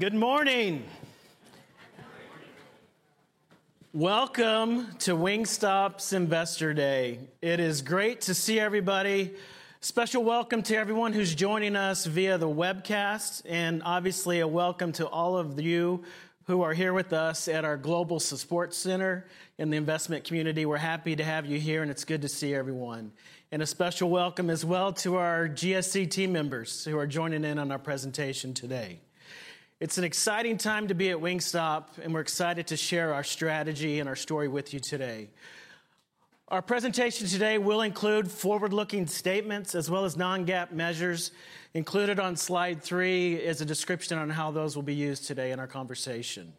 Good morning. Welcome to Wingstop's Investor Day. It is great to see everybody. Special welcome to everyone who's joining us via the webcast, and obviously a welcome to all of you who are here with us at our global support center in the investment community. We're happy to have you here, and it's good to see everyone. A special welcome as well to our GSC team members who are joining in on our presentation today. It's an exciting time to be at Wingstop, and we're excited to share our strategy and our story with you today. Our presentation today will include forward-looking statements as well as non-GAAP measures. Included on slide three is a description on how those will be used today in our conversation.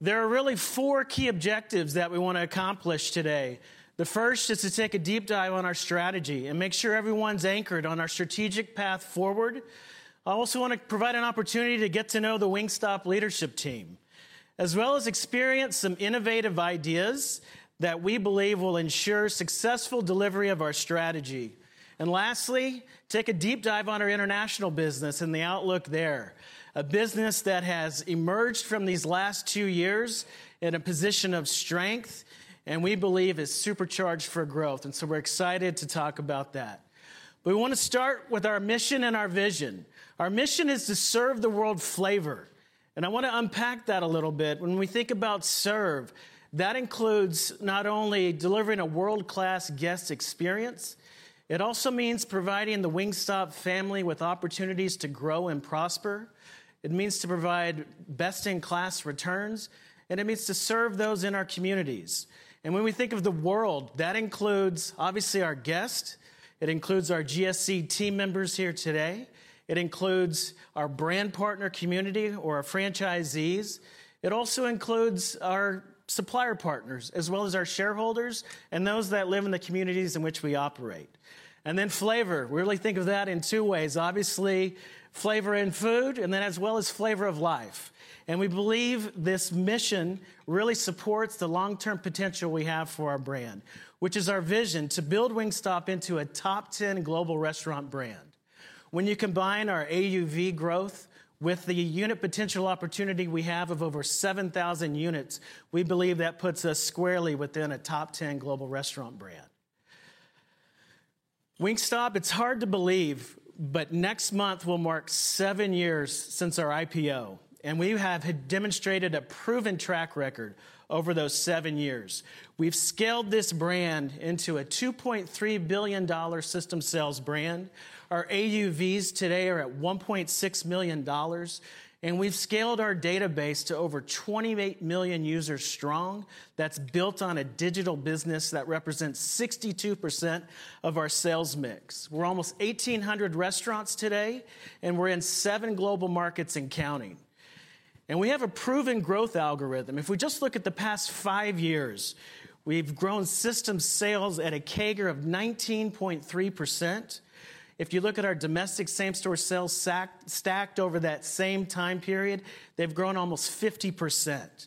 There are really four key objectives that we wanna accomplish today. The first is to take a deep dive on our strategy and make sure everyone's anchored on our strategic path forward. I also wanna provide an opportunity to get to know the Wingstop leadership team, as well as experience some innovative ideas that we believe will ensure successful delivery of our strategy. Lastly, take a deep dive on our international business and the outlook there. A business that has emerged from these last two years in a position of strength, and we believe is supercharged for growth, and so we're excited to talk about that. We wanna start with our mission and our vision. Our mission is to serve the world flavor, and I wanna unpack that a little bit. When we think about serve, that includes not only delivering a world-class guest experience, it also means providing the Wingstop family with opportunities to grow and prosper. It means to provide best-in-class returns, and it means to serve those in our communities. When we think of the world, that includes obviously our guests, it includes our GSC team members here today, it includes our brand partner community or our franchisees. It also includes our supplier partners, as well as our shareholders, and those that live in the communities in which we operate. Then flavor, we really think of that in two ways. Obviously, flavor in food, and then as well as flavor of life. We believe this mission really supports the long-term potential we have for our brand, which is our vision to build Wingstop into a top 10 global restaurant brand. When you combine our AUV growth with the unit potential opportunity we have of over 7,000 units, we believe that puts us squarely within a top ten global restaurant brand. Wingstop, it's hard to believe, but next month will mark seven years since our IPO, and we have demonstrated a proven track record over those seven years. We've scaled this brand into a $2.3 billion system sales brand. Our AUVs today are at $1.6 million, and we've scaled our database to over 28 million users strong, that's built on a digital business that represents 62% of our sales mix. We're almost 1,800 restaurants today, and we're in seven global markets and counting. We have a proven growth algorithm. If we just look at the past five years, we've grown system sales at a CAGR of 19.3%. If you look at our domestic same-store sales stacked over that same time period, they've grown almost 50%.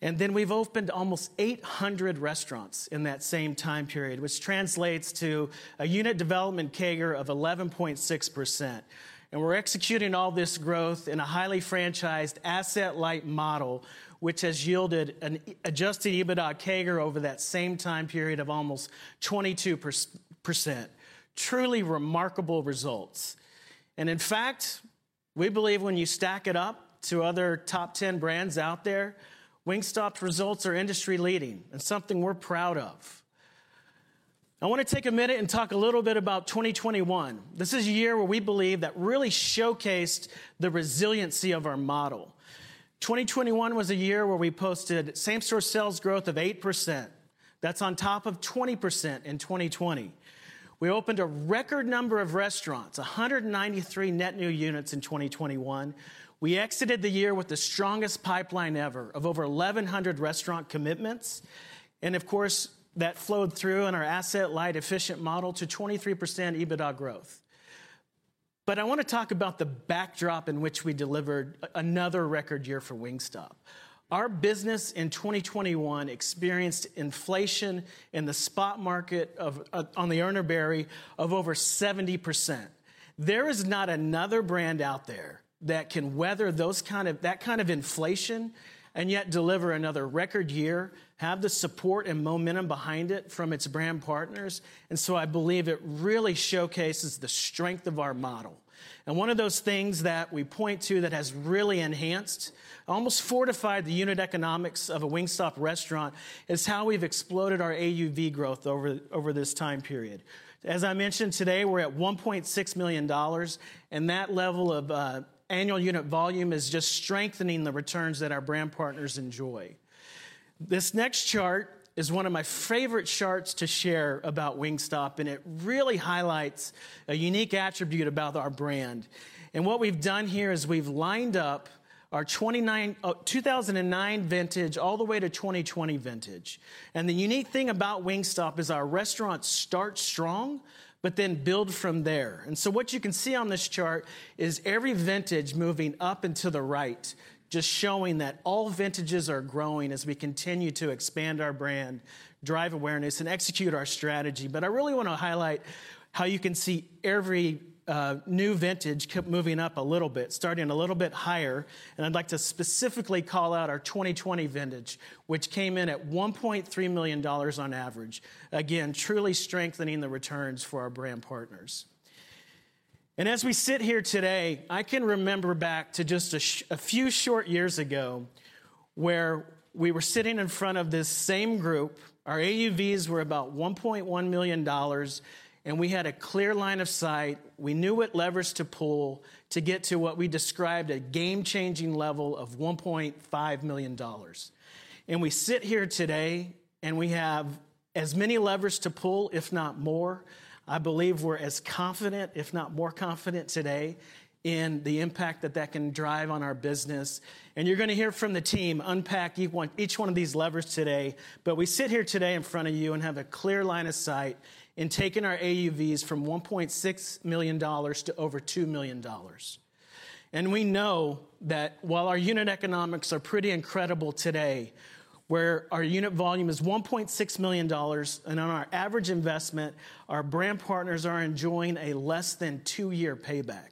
Then we've opened almost 800 restaurants in that same time period, which translates to a unit development CAGR of 11.6%. We're executing all this growth in a highly franchised asset-light model, which has yielded an adjusted EBITDA CAGR over that same time period of almost 22%. Truly remarkable results. In fact, we believe when you stack it up to other top 10 brands out there, Wingstop's results are industry-leading and something we're proud of. I wanna take a minute and talk a little bit about 2021. This is a year where we believe that really showcased the resiliency of our model. 2021 was a year where we posted same-store sales growth of 8%. That's on top of 20% in 2020. We opened a record number of restaurants, 193 net new units in 2021. We exited the year with the strongest pipeline ever of over 1,100 restaurant commitments. Of course, that flowed through in our asset light efficient model to 23% EBITDA growth. I wanna talk about the backdrop in which we delivered another record year for Wingstop. Our business in 2021 experienced inflation in the spot market on the Urner Barry of over 70%. There is not another brand out there that can weather that kind of inflation and yet deliver another record year, have the support and momentum behind it from its brand partners. I believe it really showcases the strength of our model. One of those things that we point to that has really enhanced, almost fortified the unit economics of a Wingstop restaurant, is how we've exploded our AUV growth over this time period. As I mentioned today, we're at $1.6 million, and that level of annual unit volume is just strengthening the returns that our brand partners enjoy. This next chart is one of my favorite charts to share about Wingstop, and it really highlights a unique attribute about our brand. What we've done here is we've lined up our 2009 vintage all the way to 2020 vintage. The unique thing about Wingstop is our restaurants start strong but then build from there. What you can see on this chart is every vintage moving up and to the right, just showing that all vintages are growing as we continue to expand our brand, drive awareness, and execute our strategy. I really wanna highlight how you can see every new vintage kept moving up a little bit, starting a little bit higher. I'd like to specifically call out our 2020 vintage, which came in at $1.3 million on average, again, truly strengthening the returns for our brand partners. As we sit here today, I can remember back to just a few short years ago, where we were sitting in front of this same group. Our AUVs were about $1.1 million, and we had a clear line of sight. We knew what levers to pull to get to what we described a game-changing level of $1.5 million. We sit here today, and we have as many levers to pull, if not more. I believe we're as confident, if not more confident, today, in the impact that that can drive on our business. You're gonna hear from the team unpack each one of these levers today. We sit here today in front of you and have a clear line of sight in taking our AUVs from $1.6 million to over $2 million. We know that while our unit economics are pretty incredible today, where our unit volume is $1.6 million, and on our average investment, our brand partners are enjoying a less than two-year payback.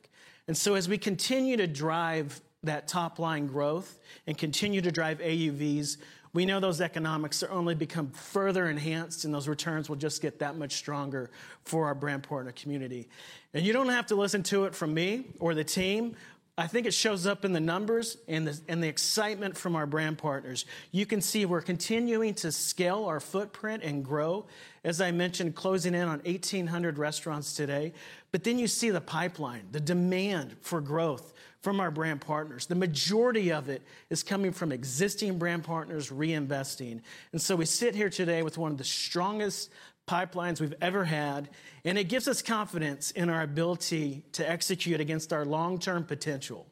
As we continue to drive that top-line growth and continue to drive AUVs, we know those economics are only become further enhanced, and those returns will just get that much stronger for our brand partner community. You don't have to listen to it from me or the team. I think it shows up in the numbers and the excitement from our brand partners. You can see we're continuing to scale our footprint and grow, as I mentioned, closing in on 1,800 restaurants today. You see the pipeline, the demand for growth from our brand partners. The majority of it is coming from existing brand partners reinvesting. We sit here today with one of the strongest pipelines we've ever had, and it gives us confidence in our ability to execute against our long-term potential.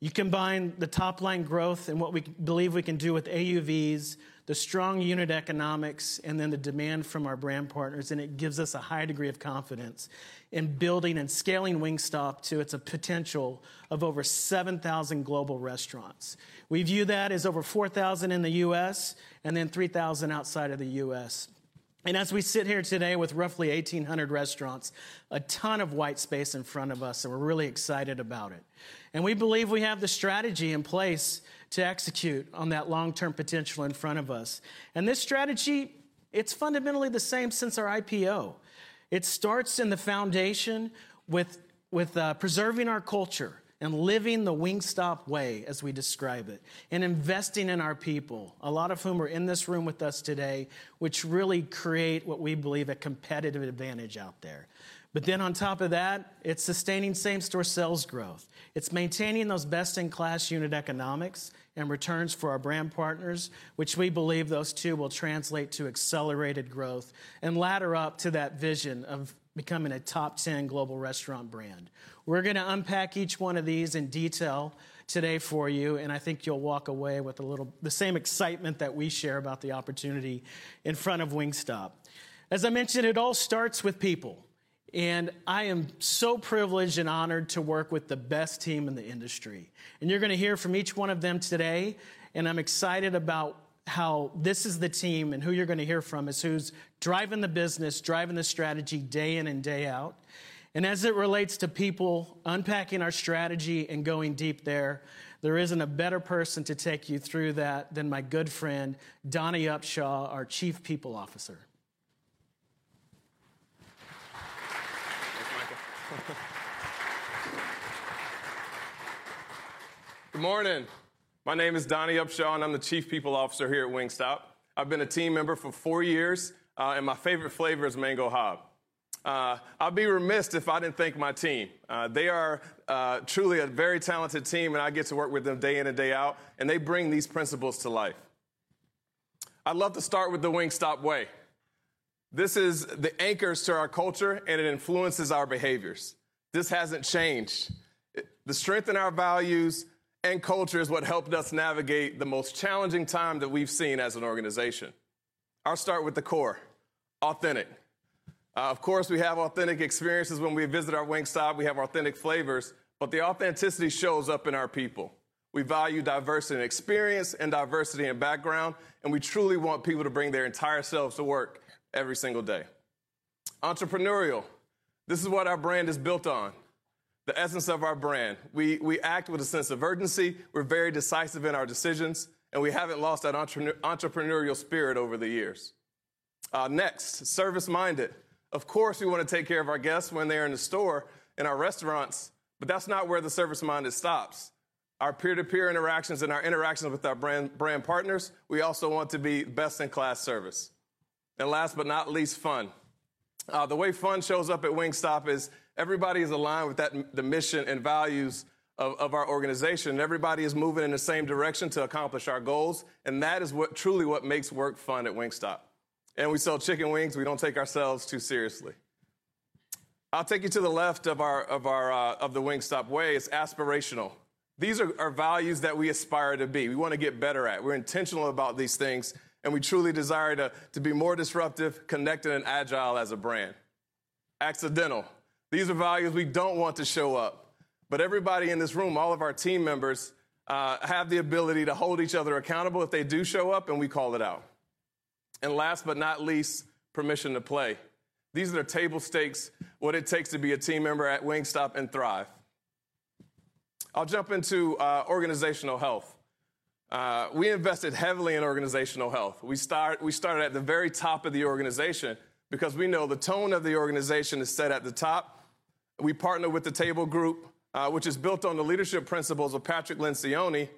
You combine the top-line growth and what we believe we can do with AUVs, the strong unit economics, and then the demand from our brand partners, and it gives us a high degree of confidence in building and scaling Wingstop to its potential of over 7,000 global restaurants. We view that as over 4,000 in the U.S. and then 3,000 outside of the U.S. We sit here today with roughly 1,800 restaurants, a ton of white space in front of us, and we're really excited about it. We believe we have the strategy in place to execute on that long-term potential in front of us. This strategy, it's fundamentally the same since our IPO. It starts in the foundation with preserving our culture and living the Wingstop Way, as we describe it, and investing in our people, a lot of whom are in this room with us today, which really create what we believe a competitive advantage out there. On top of that, it's sustaining same-store sales growth. It's maintaining those best-in-class unit economics and returns for our brand partners, which we believe those two will translate to accelerated growth and ladder up to that vision of becoming a top 10 global restaurant brand. We're gonna unpack each one of these in detail today for you, and I think you'll walk away with the same excitement that we share about the opportunity in front of Wingstop. As I mentioned, it all starts with people, and I am so privileged and honored to work with the best team in the industry. You're gonna hear from each one of them today, and I'm excited about how this is the team and who you're gonna hear from is who's driving the business, driving the strategy day in and day out. As it relates to people, unpacking our strategy and going deep there isn't a better person to take you through that than my good friend, Donnie Upshaw, our Chief People Officer. Thanks, Michael. Good morning. My name is Donnie Upshaw, and I'm the Chief People Officer here at Wingstop. I've been a team member for four years, and my favorite flavor is Mango Hab. I'd be remiss if I didn't thank my team. They are truly a very talented team, and I get to work with them day in and day out, and they bring these principles to life. I'd love to start with the Wingstop Way. This is the anchors to our culture, and it influences our behaviors. This hasn't changed. The strength in our values and culture is what helped us navigate the most challenging time that we've seen as an organization. I'll start with the core, authentic. Of course, we have authentic experiences when we visit our Wingstop. We have authentic flavors, but the authenticity shows up in our people. We value diversity in experience and diversity in background, and we truly want people to bring their entire selves to work every single day. Entrepreneurial. This is what our brand is built on, the essence of our brand. We act with a sense of urgency. We're very decisive in our decisions, and we haven't lost that entrepreneurial spirit over the years. Next, service-minded. Of course, we wanna take care of our guests when they're in the store, in our restaurants, but that's not where the service-minded stops. Our peer-to-peer interactions and our interactions with our brand partners, we also want to be best-in-class service. Last but not least, fun. The way fun shows up at Wingstop is everybody is aligned with that, the mission and values of our organization. Everybody is moving in the same direction to accomplish our goals, and that is what truly makes work fun at Wingstop. We sell chicken wings. We don't take ourselves too seriously. I'll take you to the left of our Wingstop Way. It's aspirational. These are values that we aspire to be. We wanna get better at. We're intentional about these things, and we truly desire to be more disruptive, connected, and agile as a brand. Accidental. These are values we don't want to show up, but everybody in this room, all of our team members have the ability to hold each other accountable if they do show up, and we call it out. Last but not least, permission to play. These are the table stakes, what it takes to be a team member at Wingstop and thrive. I'll jump into organizational health. We invested heavily in organizational health. We started at the very top of the organization because we know the tone of the organization is set at the top. We partner with The Table Group, which is built on the leadership principles of Patrick Lencioni,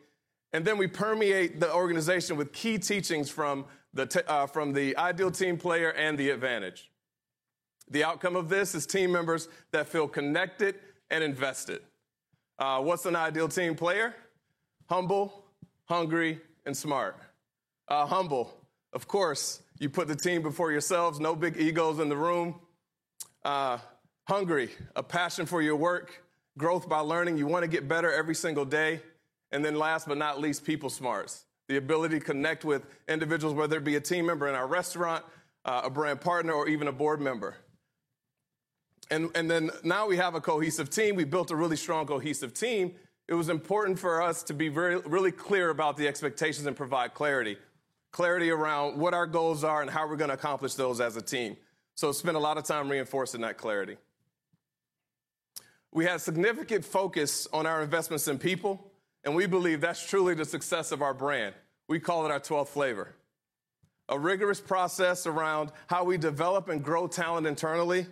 and then we permeate the organization with key teachings from The Ideal Team Player and The Advantage. The outcome of this is team members that feel connected and invested. What's an ideal team player? Humble, hungry, and smart. Humble, of course. You put the team before yourselves, no big egos in the room. Hungry, a passion for your work, growth by learning. You wanna get better every single day, and then last but not least, people smarts. The ability to connect with individuals, whether it be a team member in our restaurant, a brand partner, or even a board member. Then now we have a cohesive team. We built a really strong, cohesive team. It was important for us to be very, really clear about the expectations and provide clarity. Clarity around what our goals are and how we're gonna accomplish those as a team. Spent a lot of time reinforcing that clarity. We had significant focus on our investments in people, and we believe that's truly the success of our brand. We call it our 12th flavor. A rigorous process around how we develop and grow talent internally,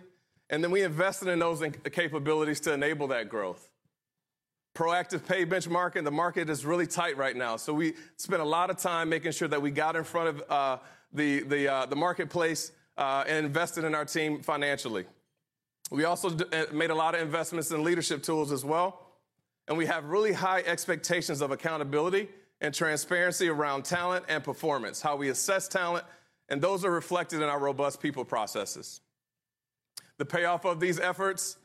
and then we invested in those capabilities to enable that growth. Proactive pay benchmarking. The market is really tight right now, so we spent a lot of time making sure that we got in front of the marketplace and invested in our team financially. We also made a lot of investments in leadership tools as well, and we have really high expectations of accountability and transparency around talent and performance, how we assess talent, and those are reflected in our robust people processes. The payoff of these efforts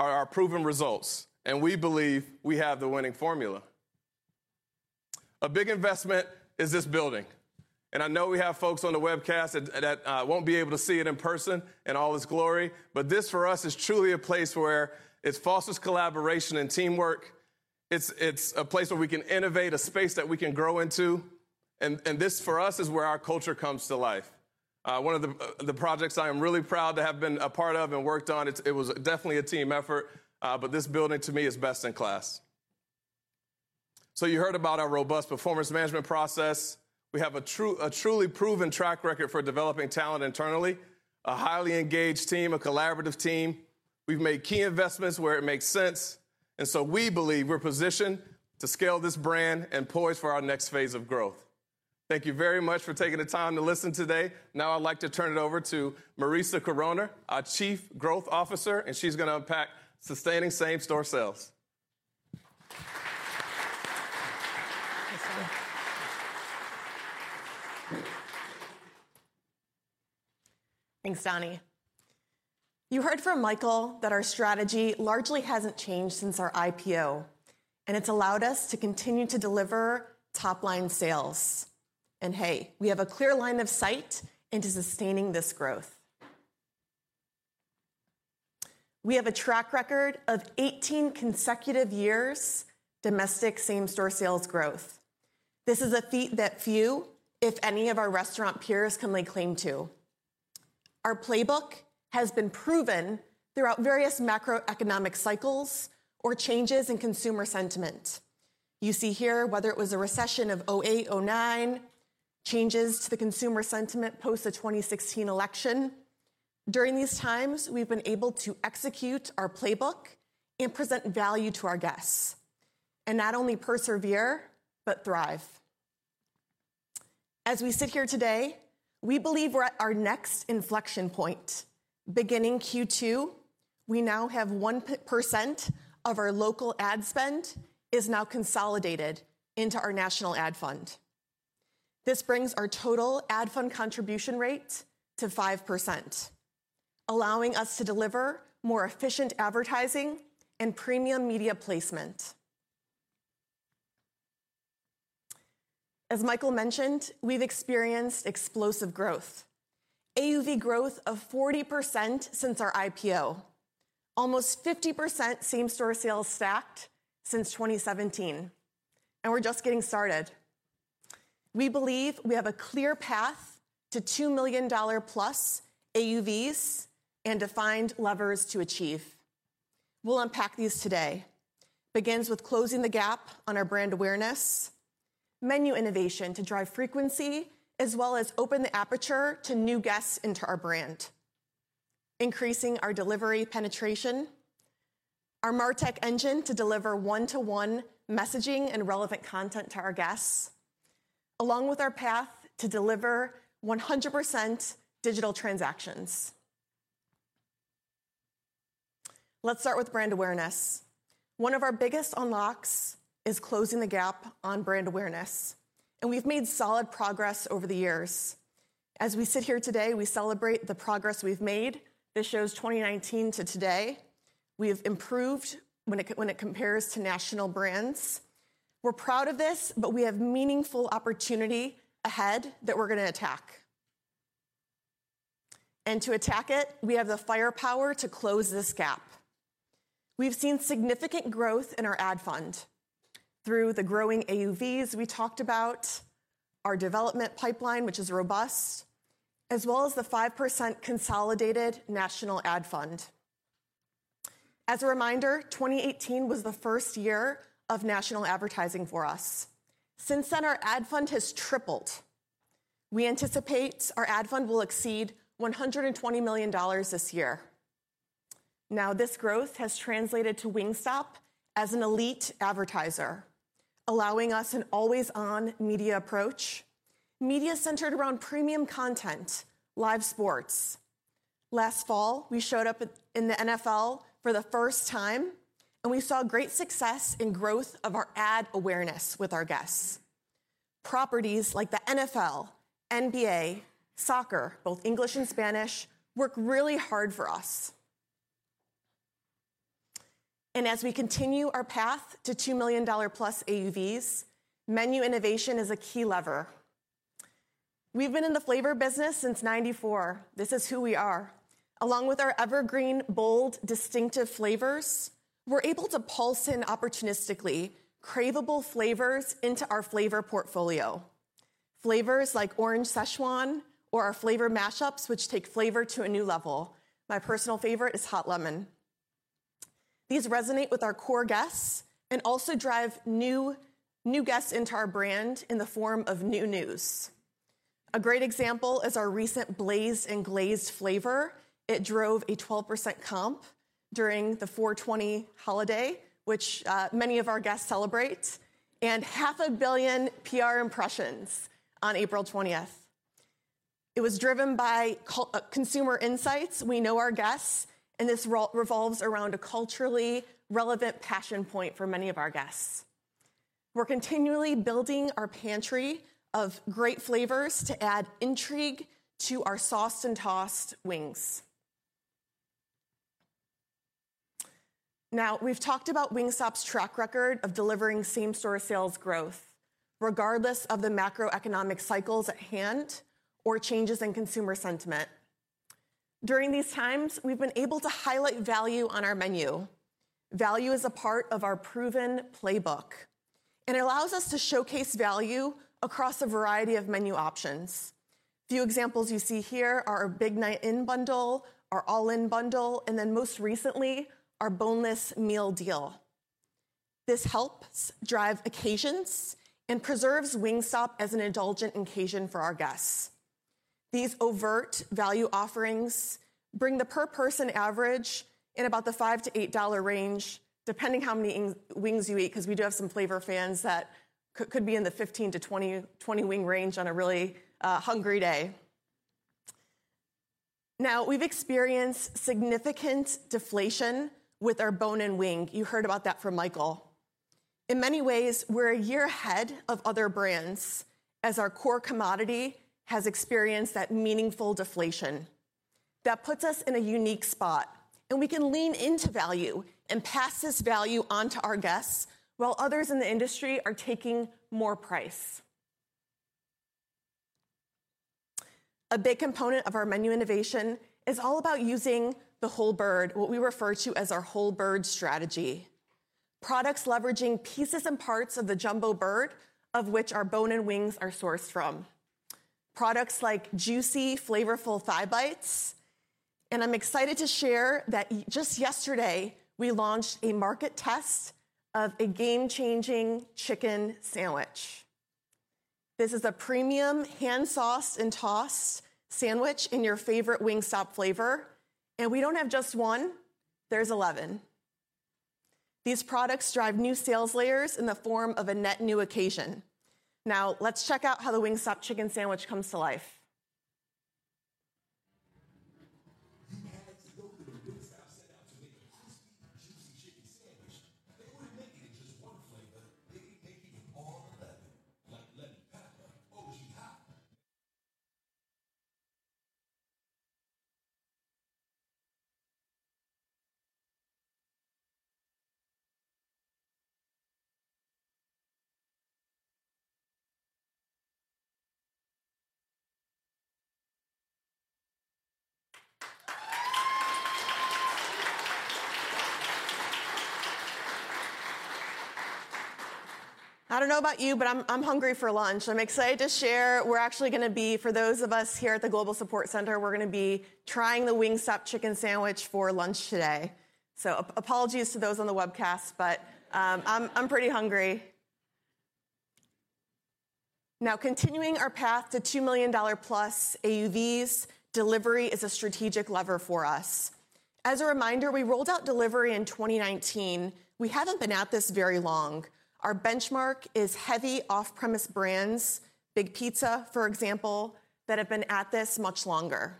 are our proven results, and we believe we have the winning formula. A big investment is this building, and I know we have folks on the webcast that won't be able to see it in person in all its glory. This, for us, is truly a place where it fosters collaboration and teamwork. It's a place where we can innovate, a space that we can grow into, and this, for us, is where our culture comes to life. One of the projects I am really proud to have been a part of and worked on, it was definitely a team effort, but this building to me is best in class. You heard about our robust performance management process. We have a truly proven track record for developing talent internally, a highly engaged team, a collaborative team. We've made key investments where it makes sense, and so we believe we're positioned to scale this brand and poised for our next phase of growth. Thank you very much for taking the time to listen today. Now I'd like to turn it over to Marisa Carona, our Chief Growth Officer, and she's gonna unpack sustaining same-store sales. Thanks, Donnie. You heard from Michael that our strategy largely hasn't changed since our IPO, and it's allowed us to continue to deliver top-line sales. Hey, we have a clear line of sight into sustaining this growth. We have a track record of 18 consecutive years domestic same-store sales growth. This is a feat that few, if any of our restaurant peers, can lay claim to. Our playbook has been proven throughout various macroeconomic cycles or changes in consumer sentiment. You see here, whether it was the recession of 2008, 2009, changes to the consumer sentiment post the 2016 election. During these times, we've been able to execute our playbook and present value to our guests, and not only persevere, but thrive. As we sit here today, we believe we're at our next inflection point. Beginning Q2, we now have 1% of our local ad spend is now consolidated into our national ad fund. This brings our total ad fund contribution rate to 5%, allowing us to deliver more efficient advertising and premium media placement. As Michael mentioned, we've experienced explosive growth, AUV growth of 40% since our IPO, almost 50% same-store sales stacked since 2017, and we're just getting started. We believe we have a clear path to $2 million-plus AUVs and defined levers to achieve. We'll unpack these today. Begins with closing the gap on our brand awareness, menu innovation to drive frequency, as well as open the aperture to new guests into our brand. Increasing our delivery penetration, our MarTech engine to deliver one-to-one messaging and relevant content to our guests, along with our path to deliver 100% digital transactions. Let's start with brand awareness. One of our biggest unlocks is closing the gap on brand awareness, and we've made solid progress over the years. As we sit here today, we celebrate the progress we've made. This shows 2019 to today. We have improved when it compares to national brands. We're proud of this, but we have meaningful opportunity ahead that we're gonna attack. To attack it, we have the firepower to close this gap. We've seen significant growth in our ad fund through the growing AUVs we talked about, our development pipeline, which is robust, as well as the 5% consolidated national ad fund. As a reminder, 2018 was the first year of national advertising for us. Since then, our ad fund has tripled. We anticipate our ad fund will exceed $120 million this year. Now, this growth has translated to Wingstop as an elite advertiser, allowing us an always-on media approach, media centered around premium content, live sports. Last fall, we showed up in the NFL for the first time, and we saw great success in growth of our ad awareness with our guests. Properties like the NFL, NBA, soccer, both English and Spanish, work really hard for us. As we continue our path to $2+ million AUVs, menu innovation is a key lever. We've been in the flavor business since 1994. This is who we are. Along with our evergreen, bold, distinctive flavors, we're able to pulse in opportunistically craveable flavors into our flavor portfolio. Flavors like Orange Szechuan or our flavor mashups, which take flavor to a new level. My personal favorite is Hot Lemon. These resonate with our core guests and also drive new guests into our brand in the form of newbies. A great example is our recent Blazed & Glazed flavor. It drove a 12% comp during the 4/20 holiday, which many of our guests celebrate, and 500 million PR impressions on April 20th. It was driven by consumer insights. We know our guests, and this revolves around a culturally relevant passion point for many of our guests. We're continually building our pantry of great flavors to add intrigue to our sauced and tossed wings. Now, we've talked about Wingstop's track record of delivering same-store sales growth, regardless of the macroeconomic cycles at hand or changes in consumer sentiment. During these times, we've been able to highlight value on our menu. Value is a part of our proven playbook, and it allows us to showcase value across a variety of menu options. Few examples you see here are our Big Night In bundle, our All-In Bundle, and then most recently, our Boneless Meal Deal. This helps drive occasions and preserves Wingstop as an indulgent occasion for our guests. These overt value offerings bring the per person average in about the $5-$8 range, depending how many wings you eat, because we do have some flavor fans that could be in the 15-20 wing range on a really hungry day. Now, we've experienced significant deflation with our bone-in wing. You heard about that from Michael. In many ways, we're a year ahead of other brands as our core commodity has experienced that meaningful deflation. That puts us in a unique spot, and we can lean into value and pass this value on to our guests while others in the industry are taking more price. A big component of our menu innovation is all about using the whole bird, what we refer to as our whole bird strategy. Products leveraging pieces and parts of the jumbo bird of which our bone-in wings are sourced from. Products like juicy, flavorful Thigh Bites. I'm excited to share that just yesterday, we launched a market test of a game-changing chicken sandwich. This is a premium hand-sauced and tossed sandwich in your favorite Wingstop flavor, and we don't have just one, there's 11. These products drive new sales layers in the form of a net new occasion. Now, let's check out how the Wingstop Chicken Sandwich comes to life. You had to go through what Wingstop set out to make, a crispy, juicy chicken sandwich. They wouldn't make it in just one flavor. They'd be picky with all 11, like Hot Lemon, OG Hot. I don't know about you, but I'm hungry for lunch. I'm excited to share we're actually gonna be trying the Wingstop Chicken Sandwich for lunch today, for those of us here at the Global Support Center. Apologies to those on the webcast, but I'm pretty hungry. Now, continuing our path to $2+ million AUVs, delivery is a strategic lever for us. As a reminder, we rolled out delivery in 2019. We haven't been at this very long. Our benchmark is heavy off-premise brands, big pizza, for example, that have been at this much longer.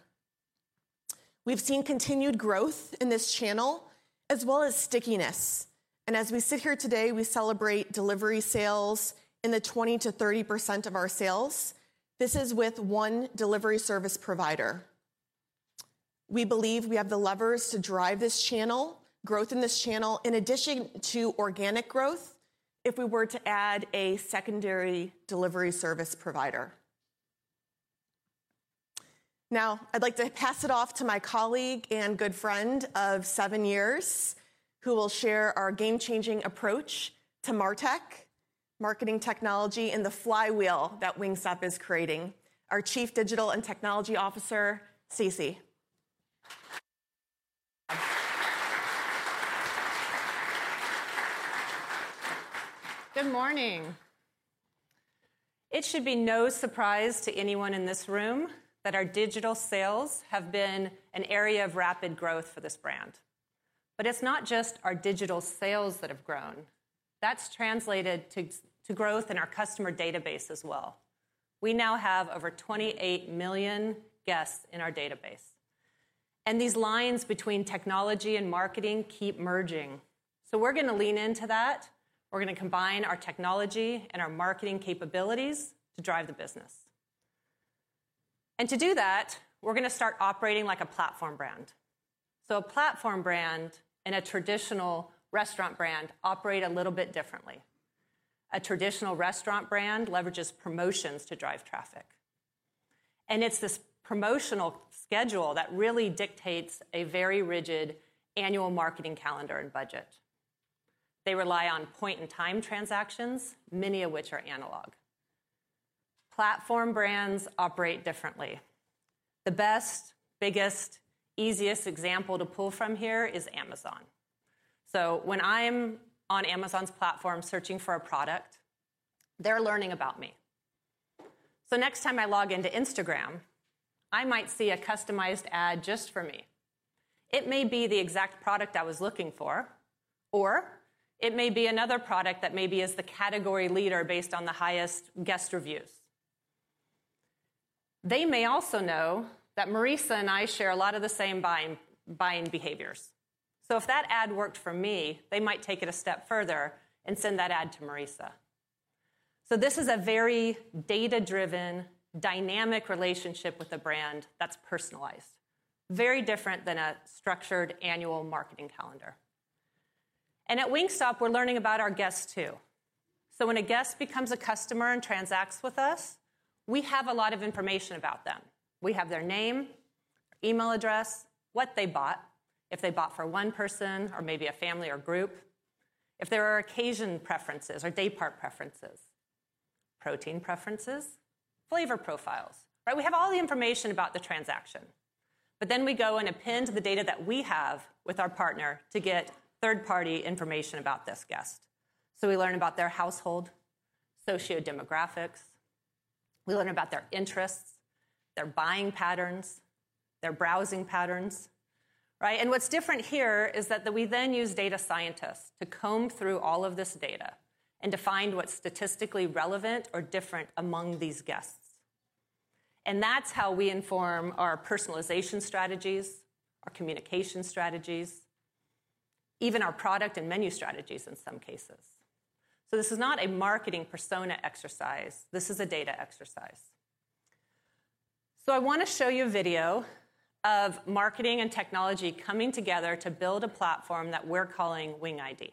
We've seen continued growth in this channel as well as stickiness. As we sit here today, we celebrate delivery sales in the 20%-30% of our sales. This is with one delivery service provider. We believe we have the levers to drive this channel, growth in this channel, in addition to organic growth, if we were to add a secondary delivery service provider. Now, I'd like to pass it off to my colleague and good friend of seven years, who will share our game-changing approach to MarTech, marketing technology, and the flywheel that Wingstop is creating, our Chief Digital and Technology Officer, Stacy. Good morning. It should be no surprise to anyone in this room that our digital sales have been an area of rapid growth for this brand. It's not just our digital sales that have grown. That's translated to growth in our customer database as well. We now have over 28 million guests in our database. These lines between technology and marketing keep merging. We're gonna lean into that. We're gonna combine our technology and our marketing capabilities to drive the business. To do that, we're gonna start operating like a platform brand. A platform brand and a traditional restaurant brand operate a little bit differently. A traditional restaurant brand leverages promotions to drive traffic, and it's this promotional schedule that really dictates a very rigid annual marketing calendar and budget. They rely on point-in-time transactions, many of which are analog. Platform brands operate differently. The best, biggest, easiest example to pull from here is Amazon. When I'm on Amazon's platform searching for a product, they're learning about me. Next time I log into Instagram, I might see a customized ad just for me. It may be the exact product I was looking for, or it may be another product that maybe is the category leader based on the highest guest reviews. They may also know that Marisa and I share a lot of the same buying behaviors. If that ad worked for me, they might take it a step further and send that ad to Marisa. This is a very data-driven, dynamic relationship with a brand that's personalized. Very different than a structured annual marketing calendar. At Wingstop, we're learning about our guests too. When a guest becomes a customer and transacts with us, we have a lot of information about them. We have their name, email address, what they bought, if they bought for one person or maybe a family or group, if there are occasion preferences or day-part preferences, protein preferences, flavor profiles, right? We have all the information about the transaction. We go and append to the data that we have with our partner to get third-party information about this guest. We learn about their household, socio-demographics, we learn about their interests, their buying patterns, their browsing patterns, right? What's different here is that we then use data scientists to comb through all of this data and to find what's statistically relevant or different among these guests. That's how we inform our personalization strategies, our communication strategies, even our product and menu strategies in some cases. This is not a marketing persona exercise, this is a data exercise. I want to show you a video of marketing and technology coming together to build a platform that we're calling Wing ID.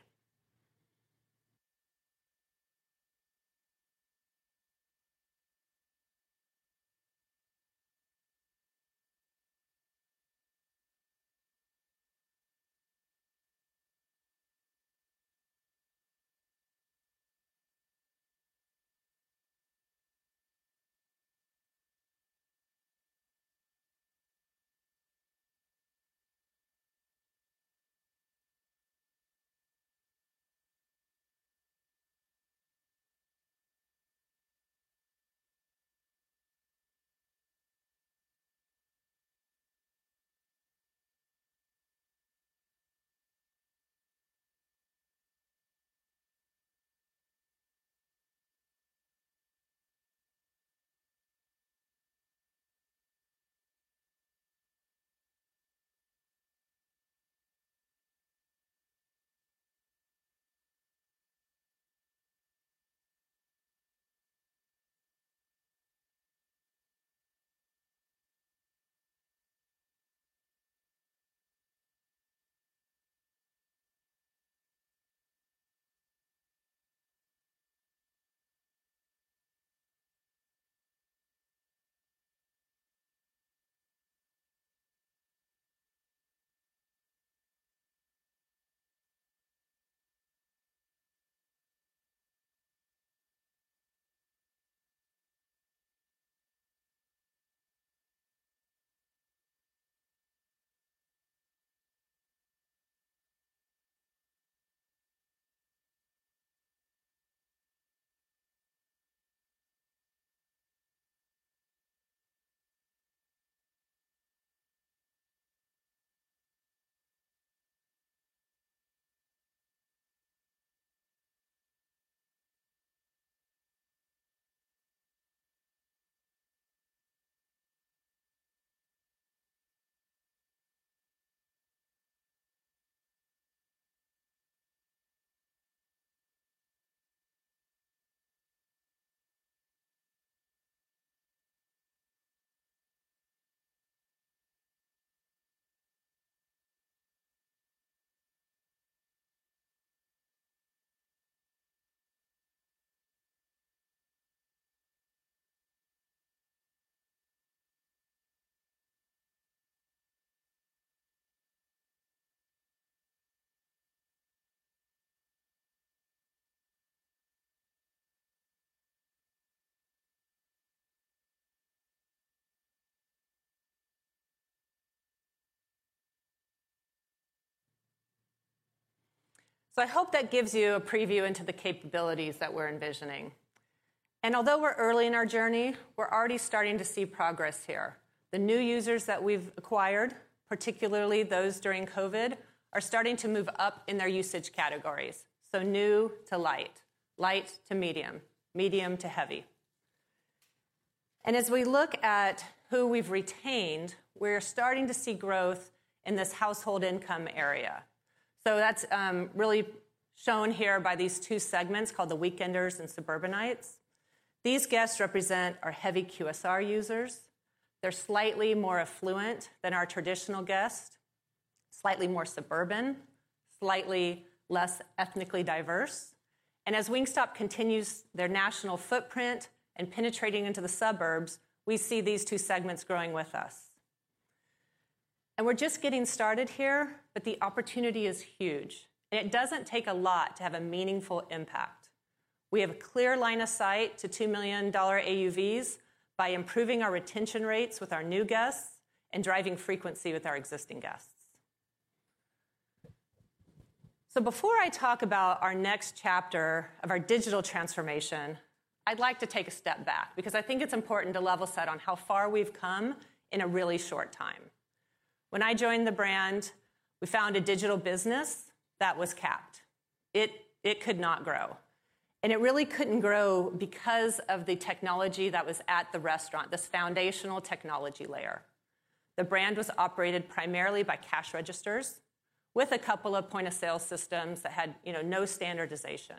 I hope that gives you a preview into the capabilities that we're envisioning. Although we're early in our journey, we're already starting to see progress here. The new users that we've acquired, particularly those during COVID, are starting to move up in their usage categories. New to light to medium to heavy. As we look at who we've retained, we're starting to see growth in this household income area. That's really shown here by these two segments called the Weekenders and Suburbanites. These guests represent our heavy QSR users. They're slightly more affluent than our traditional guest, slightly more suburban, slightly less ethnically diverse. As Wingstop continues their national footprint and penetrating into the suburbs, we see these two segments growing with us. We're just getting started here, but the opportunity is huge, and it doesn't take a lot to have a meaningful impact. We have a clear line of sight to $2 million AUVs by improving our retention rates with our new guests and driving frequency with our existing guests. Before I talk about our next chapter of our digital transformation, I'd like to take a step back because I think it's important to level set on how far we've come in a really short time. When I joined the brand, we found a digital business that was capped. It could not grow, and it really couldn't grow because of the technology that was at the restaurant, this foundational technology layer. The brand was operated primarily by cash registers with a couple of point-of-sale systems that had, you know, no standardization.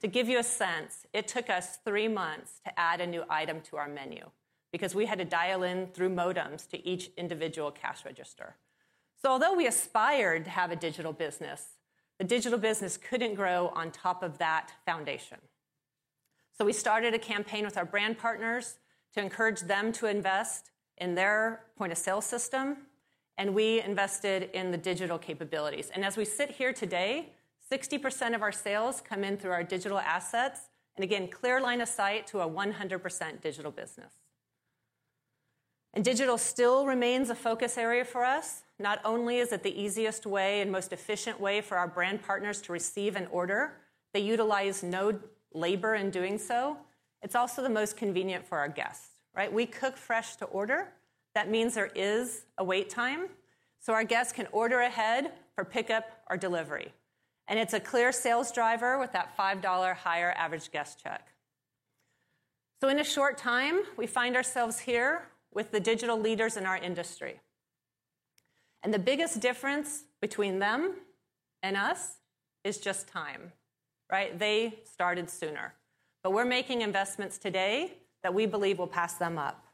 To give you a sense, it took us three months to add a new item to our menu because we had to dial in through modems to each individual cash register. Although we aspired to have a digital business, the digital business couldn't grow on top of that foundation. We started a campaign with our brand partners to encourage them to invest in their point-of-sale system, and we invested in the digital capabilities. As we sit here today, 60% of our sales come in through our digital assets, and again, clear line of sight to a 100% digital business. Digital still remains a focus area for us. Not only is it the easiest way and most efficient way for our brand partners to receive an order, they utilize no labor in doing so. It's also the most convenient for our guests, right? We cook fresh to order. That means there is a wait time, so our guests can order ahead for pickup or delivery. It's a clear sales driver with that $5 higher average guest check. In a short time, we find ourselves here with the digital leaders in our industry, and the biggest difference between them and us is just time, right? They started sooner, but we're making investments today that we believe will pass them up.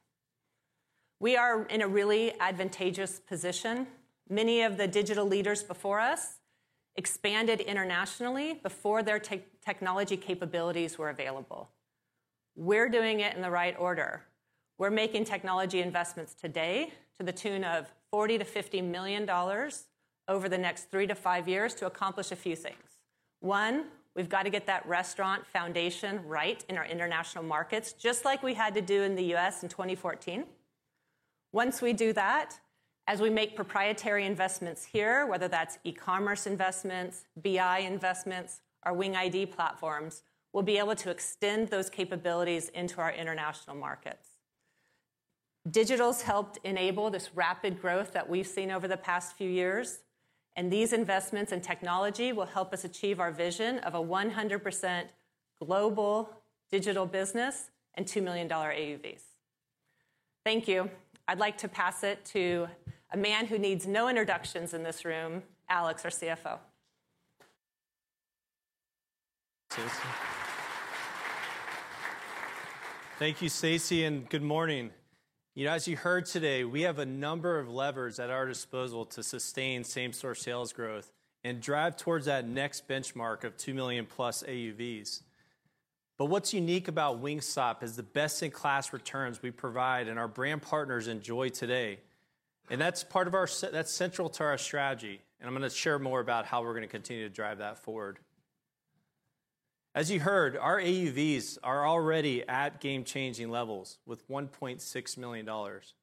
We are in a really advantageous position. Many of the digital leaders before us expanded internationally before their technology capabilities were available. We're doing it in the right order. We're making technology investments today to the tune of $40 million-$50 million over the next three to five years to accomplish a few things. One, we've got to get that restaurant foundation right in our international markets, just like we had to do in the U.S. in 2014. Once we do that, as we make proprietary investments here, whether that's e-commerce investments, BI investments, our Wing ID platforms, we'll be able to extend those capabilities into our international markets. Digital's helped enable this rapid growth that we've seen over the past few years, and these investments in technology will help us achieve our vision of a 100% global digital business and $2 million AUVs. Thank you. I'd like to pass it to a man who needs no introductions in this room, Alex, our CFO. Stacy. Thank you, Stacy, and good morning. You know, as you heard today, we have a number of levers at our disposal to sustain same-store sales growth and drive towards that next benchmark of Wing ID platform What's unique about Wingstop is the best-in-class returns we provide and our brand partners enjoy today, and that's part of our that's central to our strategy, and I'm gonna share more about how we're gonna continue to drive that forward. As you heard, our AUVs are already at game-changing levels with $1.6 million.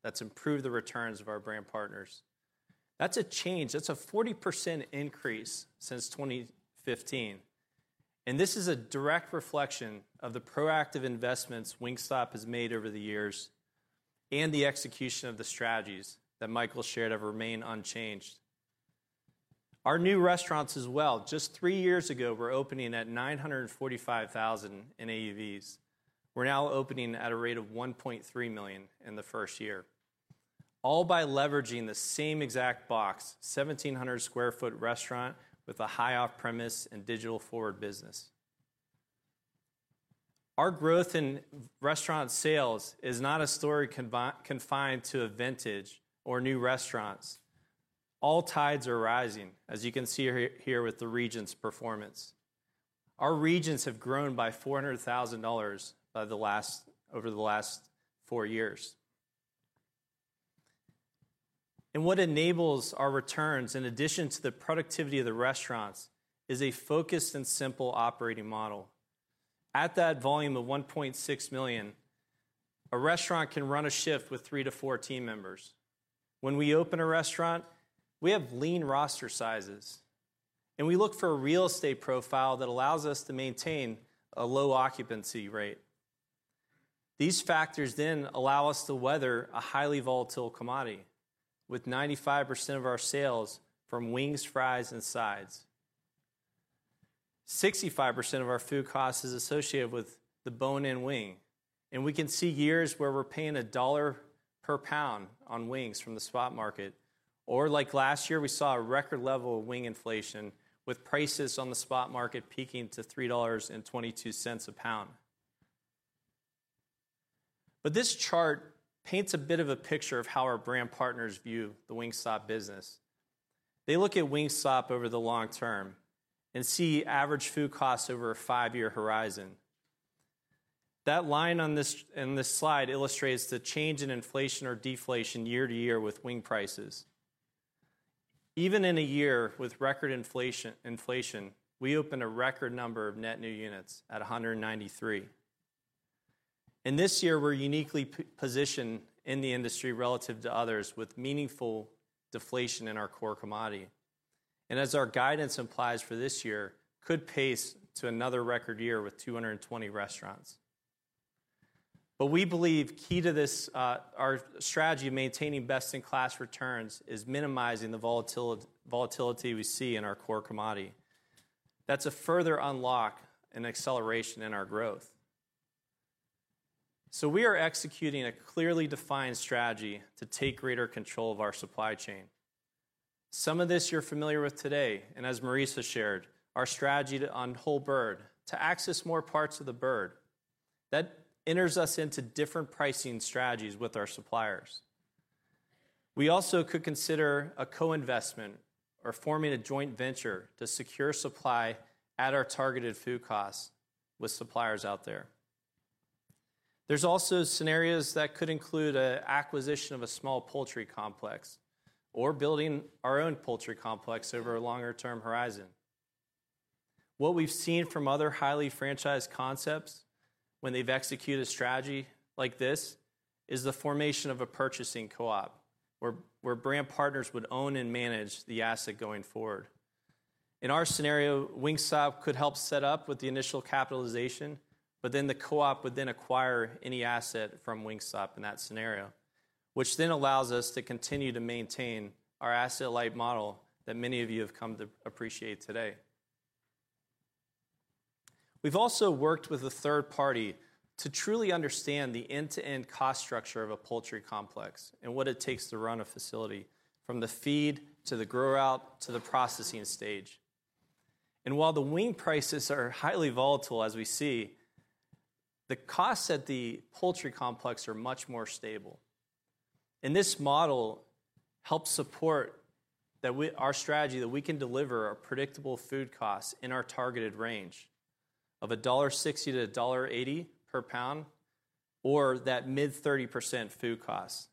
That's improved the returns of our brand partners. That's a change. That's a 40% increase since 2015, and this is a direct reflection of the proactive investments Wingstop has made over the years and the execution of the strategies that Michael shared have remained unchanged. Our new restaurants as well, just three years ago, were opening at $945,000 in AUVs. We're now opening at a rate of $1.3 million in the first year, all by leveraging the same exact box, 1,700 sq ft restaurant with a high off-premise and digital-forward business. Our growth in restaurant sales is not a story confined to vintage or new restaurants. All tides are rising, as you can see here with the regions' performance. Our regions have grown by $400,000 over the last four years. What enables our returns, in addition to the productivity of the restaurants, is a focused and simple operating model. At that volume of $1.6 million, a restaurant can run a shift with three to four team members. When we open a restaurant, we have lean roster sizes, and we look for a real estate profile that allows us to maintain a low occupancy rate. These factors allow us to weather a highly volatile commodity, with 95% of our sales from wings, fries, and sides. 65% of our food cost is associated with the bone-in wing, and we can see years where we're paying $1 per pound on wings from the spot market. Like last year, we saw a record level of wing inflation, with prices on the spot market peaking to $3.22 a pound. This chart paints a bit of a picture of how our brand partners view the Wingstop business. They look at Wingstop over the long term and see average food costs over a five-year horizon. That line in this slide illustrates the change in inflation or deflation year to year with wing prices. Even in a year with record inflation, we opened a record number of net new units at 193. This year, we're uniquely positioned in the industry relative to others with meaningful deflation in our core commodity, and as our guidance implies for this year, could pace to another record year with 220 restaurants. We believe key to this, our strategy of maintaining best-in-class returns is minimizing the volatility we see in our core commodity. That's a further unlock and acceleration in our growth. We are executing a clearly defined strategy to take greater control of our supply chain. Some of this you're familiar with today, and as Marisa has shared, our strategy on whole bird, to access more parts of the bird, that enters us into different pricing strategies with our suppliers. We also could consider a co-investment or forming a joint venture to secure supply at our targeted food costs with suppliers out there. There's also scenarios that could include an acquisition of a small poultry complex or building our own poultry complex over a longer-term horizon. What we've seen from other highly franchised concepts when they've executed strategy like this is the formation of a purchasing co-op where brand partners would own and manage the asset going forward. In our scenario, Wingstop could help set up with the initial capitalization, but then the co-op would acquire any asset from Wingstop in that scenario, which then allows us to continue to maintain our asset-light model that many of you have come to appreciate today. We've also worked with a third party to truly understand the end-to-end cost structure of a poultry complex and what it takes to run a facility, from the feed to the grow out to the processing stage. While the wing prices are highly volatile as we see, the costs at the poultry complex are much more stable. This model helps support our strategy that we can deliver a predictable food cost in our targeted range of $1.60-$1.80 per pound or that mid-30% food cost.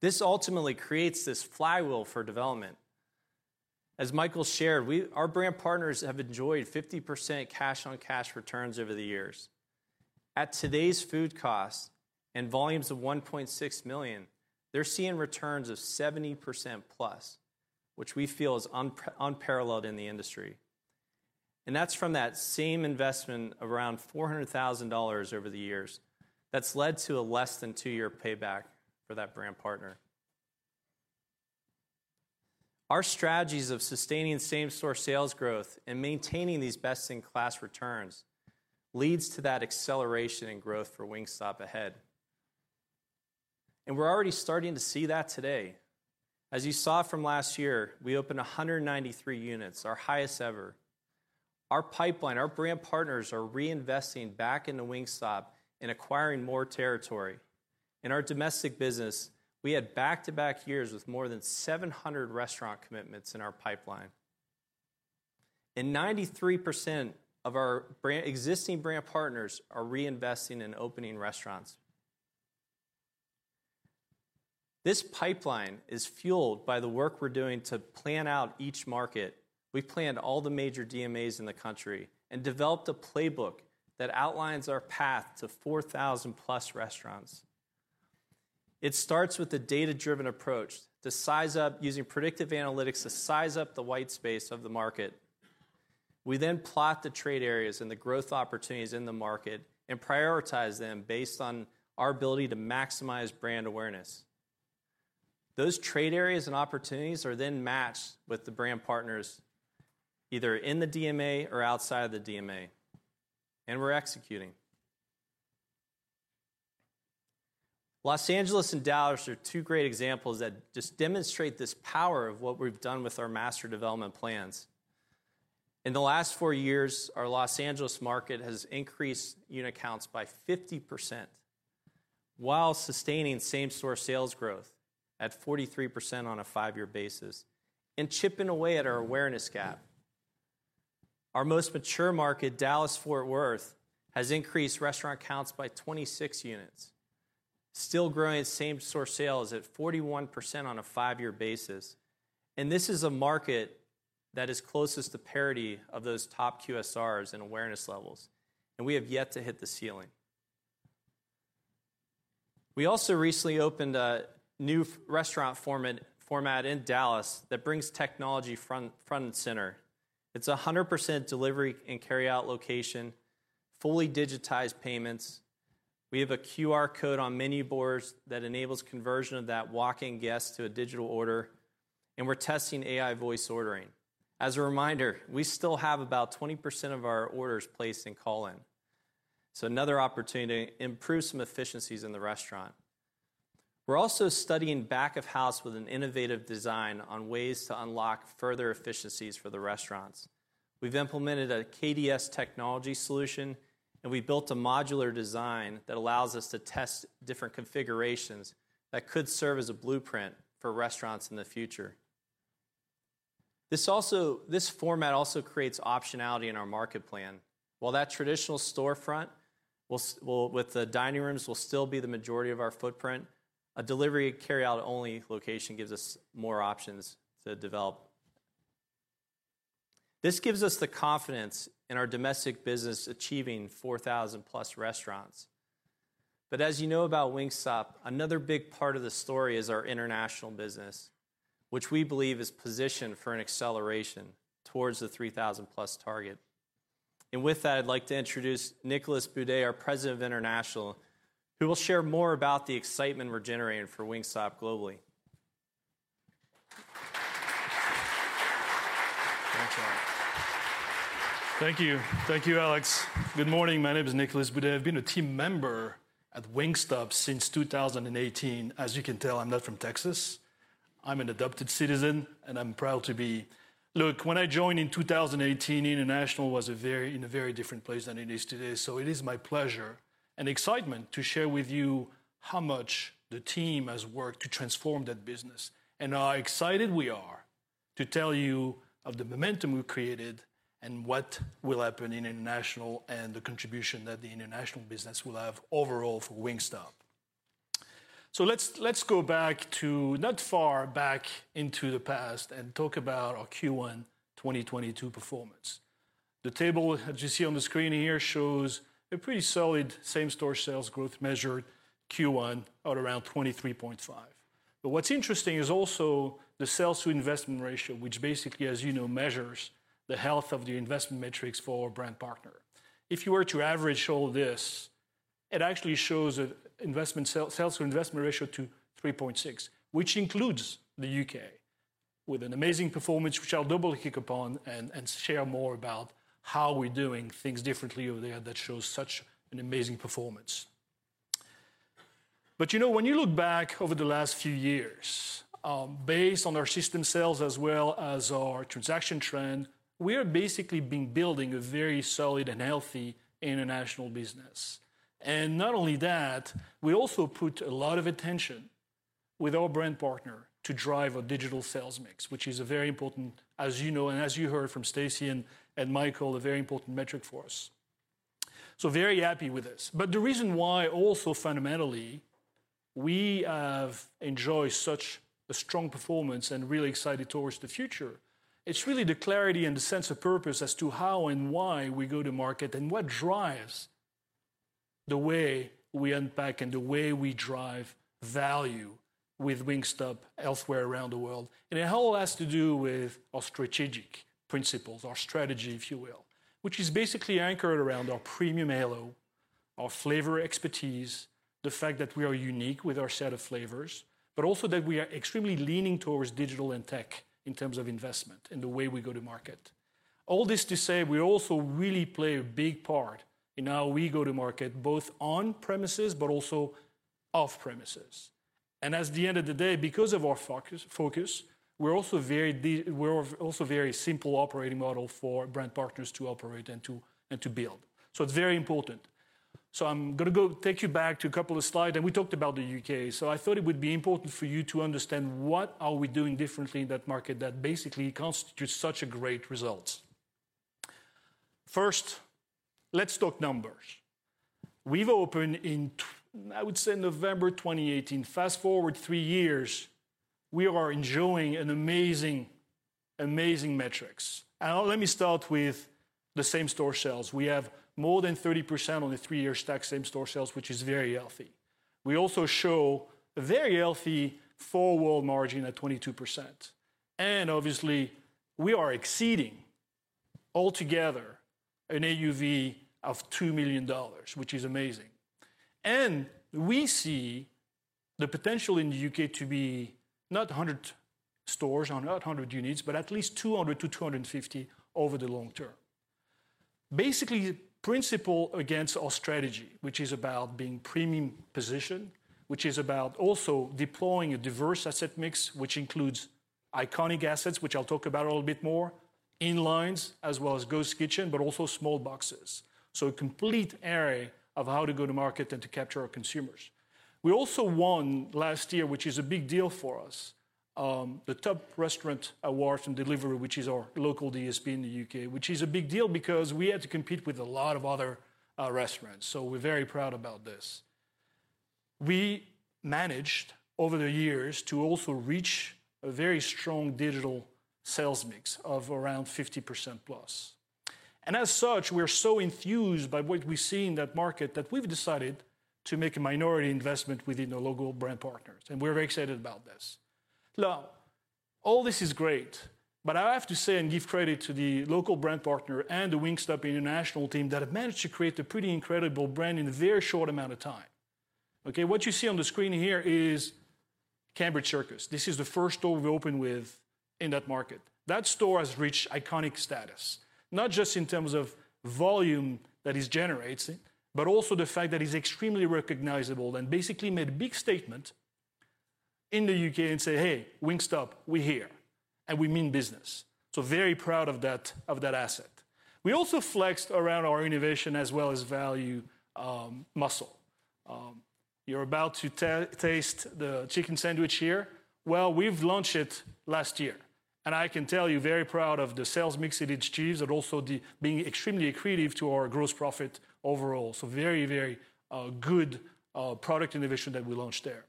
This ultimately creates this flywheel for development. As Michael shared, our brand partners have enjoyed 50% cash-on-cash returns over the years. At today's food costs and volumes of $1.6 million, they're seeing returns of 70%+, which we feel is unparalleled in the industry. That's from that same investment around $400,000 over the years that's led to a less than two-year payback for that brand partner. Our strategies of sustaining same-store sales growth and maintaining these best-in-class returns leads to that acceleration in growth for Wingstop ahead. We're already starting to see that today. As you saw from last year, we opened 193 units, our highest ever. Our pipeline, our brand partners are reinvesting back into Wingstop and acquiring more territory. In our domestic business, we had back-to-back years with more than 700 restaurant commitments in our pipeline. 93% of our existing brand partners are reinvesting and opening restaurants. This pipeline is fueled by the work we're doing to plan out each market. We've planned all the major DMAs in the country and developed a playbook that outlines our path to 4,000+ restaurants. It starts with a data-driven approach using predictive analytics to size up the white space of the market. We then plot the trade areas and the growth opportunities in the market and prioritize them based on our ability to maximize brand awareness. Those trade areas and opportunities are then matched with the brand partners either in the DMA or outside of the DMA, and we're executing. Los Angeles and Dallas are two great examples that just demonstrate this power of what we've done with our master development plans. In the last four years, our Los Angeles market has increased unit counts by 50% while sustaining same-store sales growth at 43% on a five-year basis and chipping away at our awareness gap. Our most mature market, Dallas-Fort Worth, has increased restaurant counts by 26 units, still growing same-store sales at 41% on a five-year basis. This is a market that is closest to parity of those top QSRs in awareness levels, and we have yet to hit the ceiling. We also recently opened a new restaurant format in Dallas that brings technology front and center. It's a 100% delivery and carry-out location, fully digitized payments. We have a QR code on menu boards that enables conversion of that walk-in guest to a digital order, and we're testing AI voice ordering. As a reminder, we still have about 20% of our orders placed in call-in, so another opportunity to improve some efficiencies in the restaurant. We're also studying back of house with an innovative design on ways to unlock further efficiencies for the restaurants. We've implemented a KDS technology solution, and we built a modular design that allows us to test different configurations that could serve as a blueprint for restaurants in the future. This format also creates optionality in our market plan. While that traditional storefront with the dining rooms will still be the majority of our footprint, a delivery and carry-out only location gives us more options to develop. This gives us the confidence in our domestic business achieving 4,000+ restaurants. As you know about Wingstop, another big part of the story is our international business, which we believe is positioned for an acceleration towards the 3,000+ target. With that, I'd like to introduce Nicolas Boudet, our President of International, who will share more about the excitement we're generating for Wingstop globally. Thank you. Thank you, Alex. Good morning. My name is Nicolas Boudet. I've been a team member at Wingstop since 2018. As you can tell, I'm not from Texas. I'm an adopted citizen, and I'm proud to be. Look, when I joined in 2018, International was in a very different place than it is today. It is my pleasure and excitement to share with you how much the team has worked to transform that business, and how excited we are to tell you of the momentum we've created and what will happen in International and the contribution that the International business will have overall for Wingstop. Let's go back, not far back into the past and talk about our Q1 2022 performance. The table as you see on the screen here shows a pretty solid same-store sales growth measured Q1 at around 23.5%. What's interesting is also the sales to investment ratio, which basically, as you know, measures the health of the investment metrics for our brand partner. If you were to average all this, it actually shows that sales to investment ratio to 3.6, which includes the U.K. with an amazing performance which I'll double click upon and share more about how we're doing things differently over there that shows such an amazing performance. You know, when you look back over the last few years, based on our system sales as well as our transaction trend, we have basically been building a very solid and healthy international business. Not only that, we also put a lot of attention with our brand partner to drive a digital sales mix, which is a very important, as you know, and as you heard from Stacy and Michael, a very important metric for us. Very happy with this. The reason why also fundamentally we have enjoyed such a strong performance and really excited towards the future, it's really the clarity and the sense of purpose as to how and why we go to market and what drives the way we unpack and the way we drive value with Wingstop elsewhere around the world. It all has to do with our strategic principles, our strategy, if you will, which is basically anchored around our premium halo, our flavor expertise, the fact that we are unique with our set of flavors, but also that we are extremely leaning towards digital and tech in terms of investment in the way we go to market. All this to say, we also really play a big part in how we go to market, both on premises but also off premises. At the end of the day, because of our focus, we're also very simple operating model for brand partners to operate and to build. It's very important. I'm gonna go take you back to a couple of slides, and we talked about the U.K. I thought it would be important for you to understand what are we doing differently in that market that basically constitutes such a great result. First, let's talk numbers. We've opened in—I would say November 2018. Fast-forward three years, we are enjoying an amazing metrics. Let me start with the same-store sales. We have more than 30% on the three.-.year stack same-store sales, which is very healthy. We also show a very healthy four-wall margin at 22%. Obviously, we are exceeding altogether an AUV of $2 million, which is amazing. We see the potential in the UK to be not 100 stores or not 100 units, but at least 200-250 units over the long term. Basically, principle against our strategy, which is about being premium positioning, which is about also deploying a diverse asset mix, which includes iconic assets, which I'll talk about a little bit more, in-lines, as well as Ghost Kitchen, but also small boxes. A complete array of how to go to market and to capture our consumers. We also won last year, which is a big deal for us, the top restaurant award from Deliveroo, which is our local DSP in the U.K., which is a big deal because we had to compete with a lot of other restaurants. We're very proud about this. We managed over the years to also reach a very strong digital sales mix of around 50%+. As such, we are so enthused by what we see in that market that we've decided to make a minority investment within the local brand partners, and we're very excited about this. Now, all this is great, but I have to say and give credit to the local brand partner and the Wingstop International team that have managed to create a pretty incredible brand in a very short amount of time. Okay, what you see on the screen here is Cambridge Circus. This is the first store we opened within that market. That store has reached iconic status, not just in terms of volume that is generating, but also the fact that it's extremely recognizable and basically made a big statement in the U.K., saying, "Hey, Wingstop, we're here, and we mean business." Very proud of that asset. We also flexed around our innovation as well as value, muscle. Well, you're about to taste the chicken sandwich here. We've launched it last year, and I can tell you, very proud of the sales mix it achieves and also being extremely accretive to our gross profit overall. Very good product innovation that we launched there.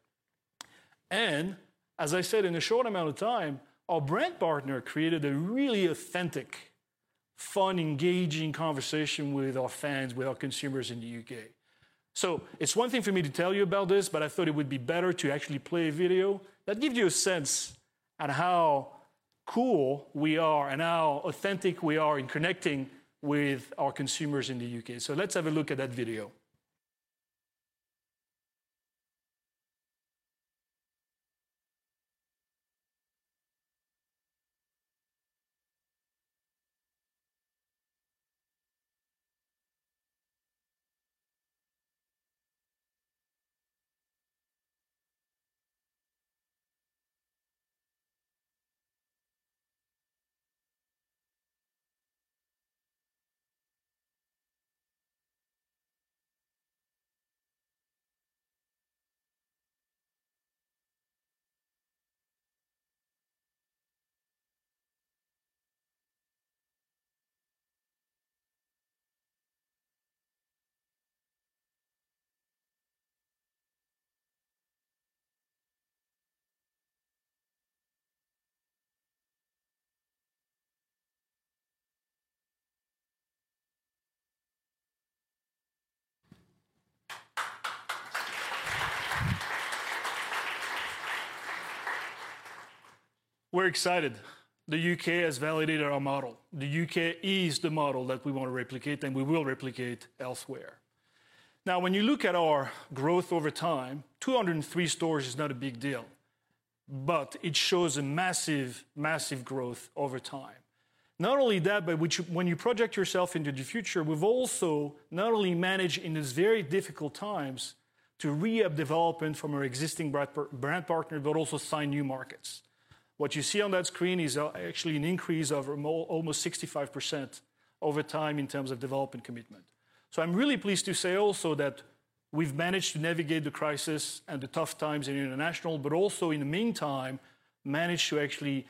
As I said, in a short amount of time, our brand partner created a really authentic, fun, engaging conversation with our fans, with our consumers in the U.K. It's one thing for me to tell you about this, but I thought it would be better to actually play a video that gives you a sense of how cool we are and how authentic we are in connecting with our consumers in the U.K. Let's have a look at that video. We're excited. The U.K. has validated our model. The U.K. is the model that we want to replicate, and we will replicate elsewhere. Now, when you look at our growth over time, 203 stores is not a big deal, but it shows a massive growth over time. Not only that, but when you project yourself into the future, we've also not only managed in these very difficult times to re-up development from our existing brand partner, but also sign new markets. What you see on that screen is actually an increase of almost 65% over time in terms of development commitment. I'm really pleased to say also that we've managed to navigate the crisis and the tough times in international, but also in the meantime, managed to actually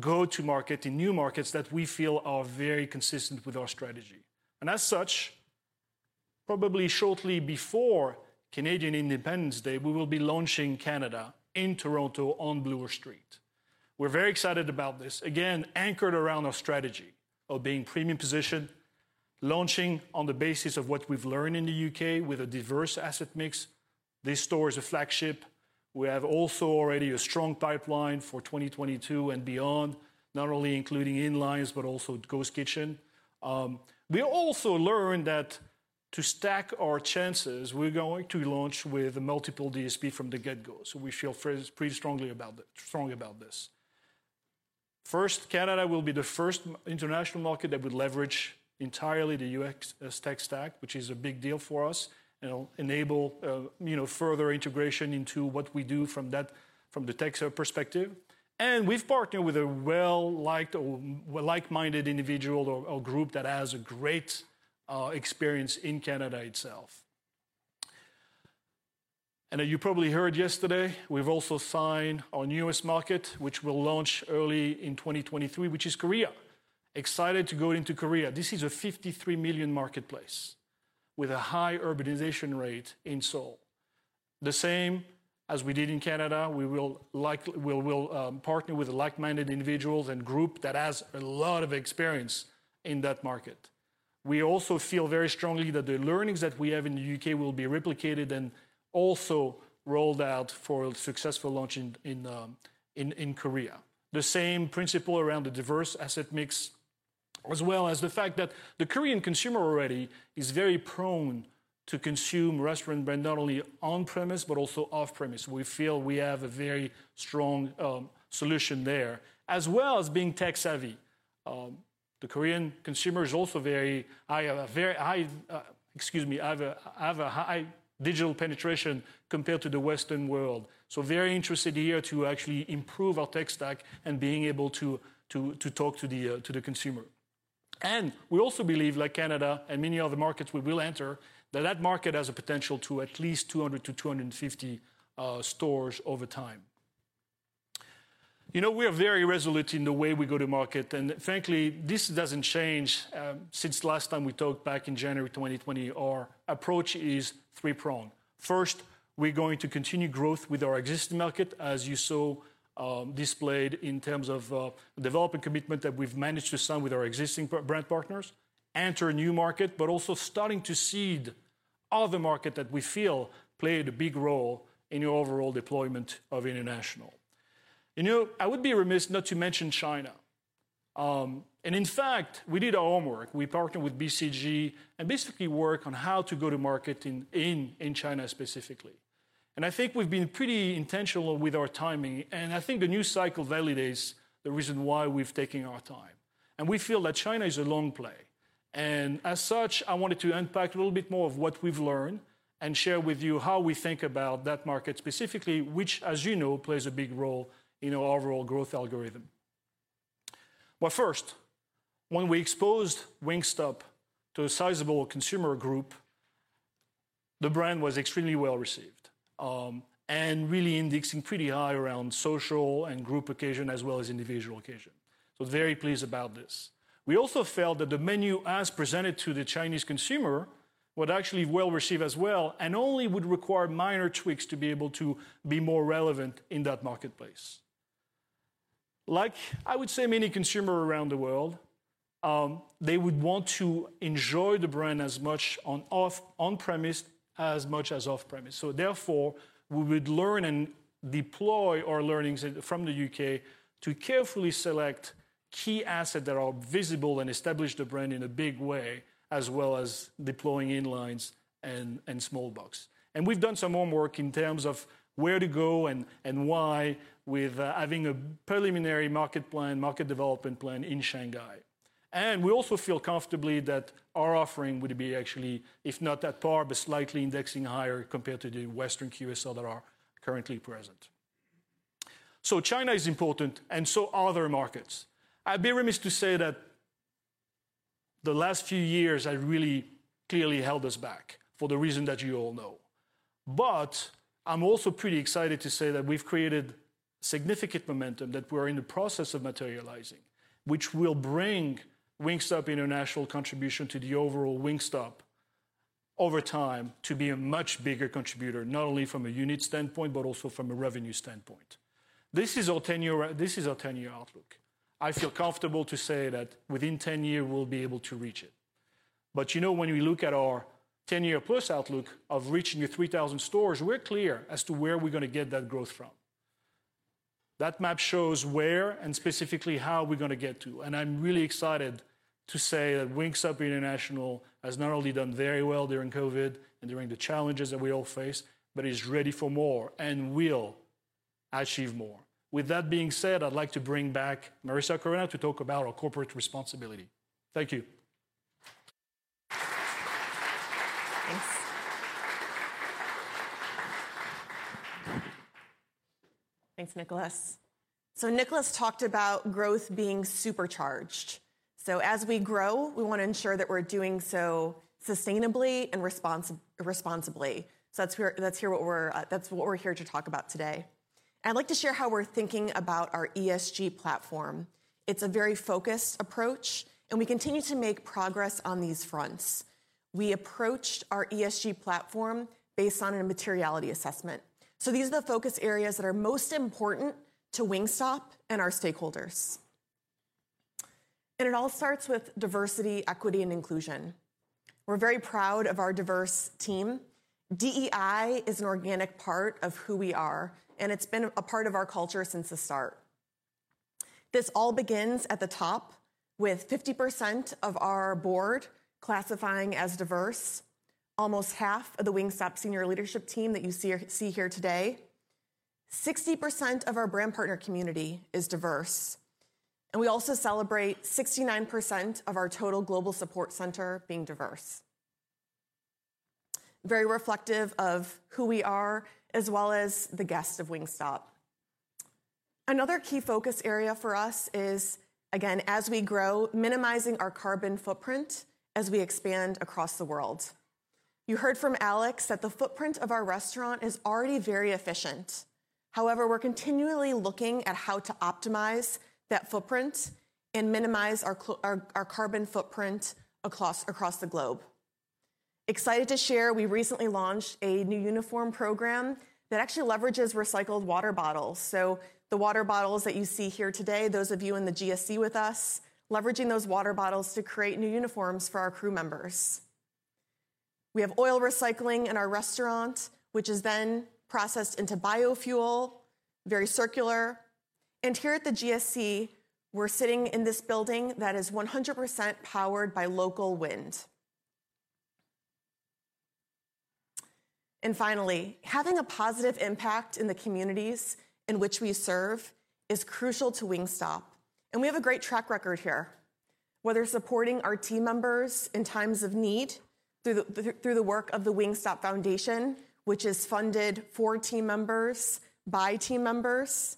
go to market in new markets that we feel are very consistent with our strategy. As such, probably shortly before Canada Day, we will be launching Canada in Toronto on Bloor Street. We're very excited about this. Again, anchored around our strategy of being premium positioned, launching on the basis of what we've learned in the U.K. with a diverse asset mix. This store is a flagship. We have also already a strong pipeline for 2022 and beyond, not only including in-lines, but also Ghost Kitchen. We also learned that to stack our chances, we're going to launch with multiple DSP from the get-go. We feel pretty strongly about this. First, Canada will be the first international market that would leverage entirely the UX tech stack, which is a big deal for us. It'll enable, you know, further integration into what we do from the tech perspective. We've partnered with a well-liked or like-minded individual or group that has a great experience in Canada itself. You probably heard yesterday, we've also signed our newest market, which will launch early in 2023, which is Korea. Excited to go into Korea. This is a 53 million marketplace with a high urbanization rate in Seoul. The same as we did in Canada, we will partner with like-minded individuals and group that has a lot of experience in that market. We also feel very strongly that the learnings that we have in the U.K. will be replicated and also rolled out for a successful launch in Korea. The same principle around the diverse asset mix, as well as the fact that the Korean consumer already is very prone to consume restaurant brand, not only on premise, but also off premise. We feel we have a very strong solution there, as well as being tech savvy. The Korean consumer also has a high digital penetration compared to the Western world. Very interested here to actually improve our tech stack and being able to talk to the consumer. We also believe, like Canada and many other markets we will enter, that that market has a potential to at least 200-250 stores over time. You know, we are very resolute in the way we go to market. Frankly, this doesn't change since last time we talked back in January 2020. Our approach is three-pronged. First, we're going to continue growth with our existing market, as you saw, displayed in terms of development commitment that we've managed to sign with our existing brand partners, enter a new market, but also starting to seed other market that we feel played a big role in the overall deployment of international. You know, I would be remiss not to mention China. In fact, we did our homework. We partnered with BCG and basically work on how to go to market in China specifically. I think we've been pretty intentional with our timing. I think the new cycle validates the reason why we've taken our time. We feel that China is a long play. As such, I wanted to unpack a little bit more of what we've learned and share with you how we think about that market specifically, which, as you know, plays a big role in our overall growth algorithm. First, when we exposed Wingstop to a sizable consumer group, the brand was extremely well-received, and really indexing pretty high around social and group occasion as well as individual occasion. Very pleased about this. We also felt that the menu as presented to the Chinese consumer would actually be well received as well, and only would require minor tweaks to be able to be more relevant in that marketplace. Like I would say many consumers around the world, they would want to enjoy the brand as much on premise as much as off premise. Therefore, we would learn and deploy our learnings from the U.K. to carefully select key assets that are visible and establish the brand in a big way, as well as deploying in-lines and small box. We've done some homework in terms of where to go and why with having a preliminary market plan, market development plan in Shanghai. We also feel comfortable that our offering would be actually, if not that far, but slightly indexing higher compared to the Western QSR that are currently present. China is important, and so are other markets. I'd be remiss to say that the last few years have really clearly held us back for the reason that you all know. I'm also pretty excited to say that we've created significant momentum that we're in the process of materializing, which will bring Wingstop international contribution to the overall Wingstop over time to be a much bigger contributor, not only from a unit standpoint, but also from a revenue standpoint. This is our 10-year outlook. I feel comfortable to say that within 10 years, we'll be able to reach it. You know, when we look at our 10+ year outlook of reaching 3,000 stores, we're clear as to where we're gonna get that growth from. That map shows where and specifically how we're gonna get to. I'm really excited to say that Wingstop International has not only done very well during COVID and during the challenges that we all face, but is ready for more and will achieve more. With that being said, I'd like to bring back Marisa Carona to talk about our corporate responsibility. Thank you. Thanks. Thanks, Nicolas. Nicolas talked about growth being supercharged. As we grow, we wanna ensure that we're doing so sustainably and responsibly. That's what we're here to talk about today. I'd like to share how we're thinking about our ESG platform. It's a very focused approach, and we continue to make progress on these fronts. We approached our ESG platform based on a materiality assessment. These are the focus areas that are most important to Wingstop and our stakeholders. It all starts with diversity, equity, and inclusion. We're very proud of our diverse team. DEI is an organic part of who we are, and it's been a part of our culture since the start. This all begins at the top with 50% of our board classifying as diverse, almost half of the Wingstop senior leadership team that you see here today. 60% of our brand partner community is diverse, and we also celebrate 69% of our total global support center being diverse. Very reflective of who we are as well as the guests of Wingstop. Another key focus area for us is, again, as we grow, minimizing our carbon footprint as we expand across the world. You heard from Alex that the footprint of our restaurant is already very efficient. However, we're continually looking at how to optimize that footprint and minimize our carbon footprint across the globe. Excited to share, we recently launched a new uniform program that actually leverages recycled water bottles. The water bottles that you see here today, those of you in the GSC with us, leveraging those water bottles to create new uniforms for our crew members. We have oil recycling in our restaurant, which is then processed into biofuel, very circular. Here at the GSC, we're sitting in this building that is 100% powered by local wind. Finally, having a positive impact in the communities in which we serve is crucial to Wingstop, and we have a great track record here, whether supporting our team members in times of need through the work of the Wingstop Foundation, which is funded for team members by team members,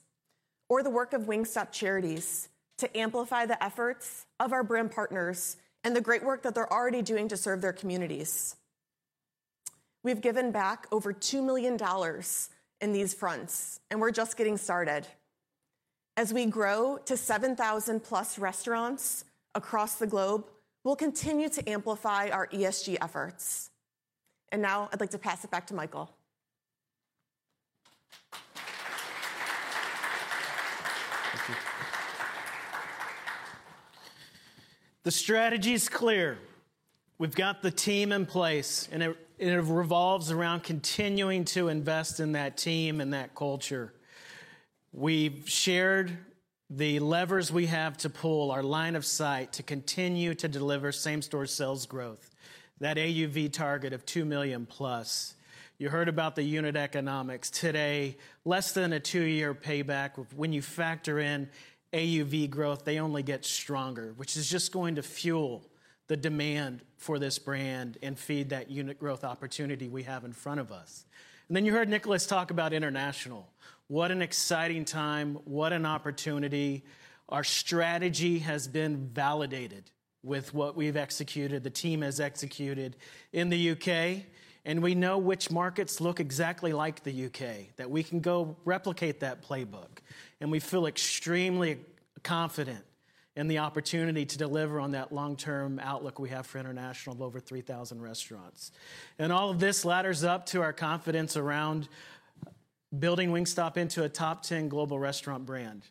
or the work of Wingstop Charities to amplify the efforts of our brand partners and the great work that they're already doing to serve their communities. We've given back over $2 million in these fronts, and we're just getting started. As we grow to 7,000+ restaurants across the globe, we'll continue to amplify our ESG efforts. Now I'd like to pass it back to Michael. Thank you. The strategy's clear. We've got the team in place, and it revolves around continuing to invest in that team and that culture. We've shared the levers we have to pull, our line of sight to continue to deliver same-store sales growth. That AUV target of $2+ million. You heard about the unit economics. Today, less than a two-year payback. When you factor in AUV growth, they only get stronger, which is just going to fuel the demand for this brand and feed that unit growth opportunity we have in front of us. You heard Nicolas talk about international. What an exciting time. What an opportunity. Our strategy has been validated with what we've executed, the team has executed in the U.K., and we know which markets look exactly like the U.K., that we can go replicate that playbook. We feel extremely confident in the opportunity to deliver on that long-term outlook we have for international of over 3,000 restaurants. All of this ladders up to our confidence around building Wingstop into a top 10 global restaurant brand.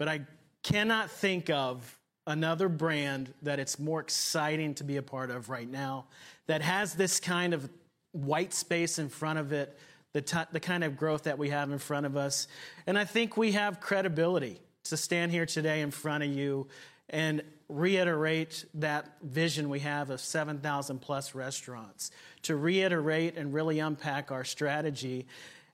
I cannot think of another brand that it's more exciting to be a part of right now that has this kind of white space in front of it, the kind of growth that we have in front of us. I think we have credibility to stand here today in front of you and reiterate that vision we have of 7,000+ restaurants, to reiterate and really unpack our strategy.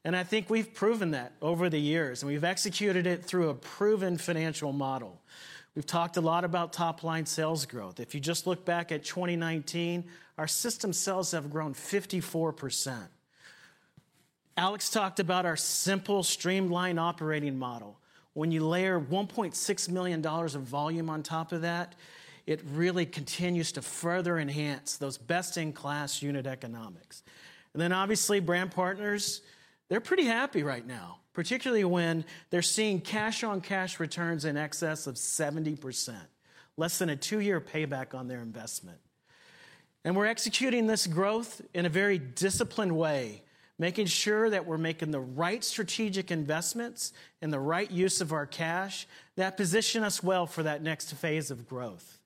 I think we've proven that over the years, and we've executed it through a proven financial model. We've talked a lot about top line sales growth. If you just look back at 2019, our system sales have grown 54%. Alex talked about our simple streamlined operating model. When you layer $1.6 million of volume on top of that, it really continues to further enhance those best-in-class unit economics. Obviously, brand partners, they're pretty happy right now, particularly when they're seeing cash-on-cash returns in excess of 70%, less than a two-year payback on their investment. We're executing this growth in a very disciplined way, making sure that we're making the right strategic investments and the right use of our cash that position us well for that next phase of growth.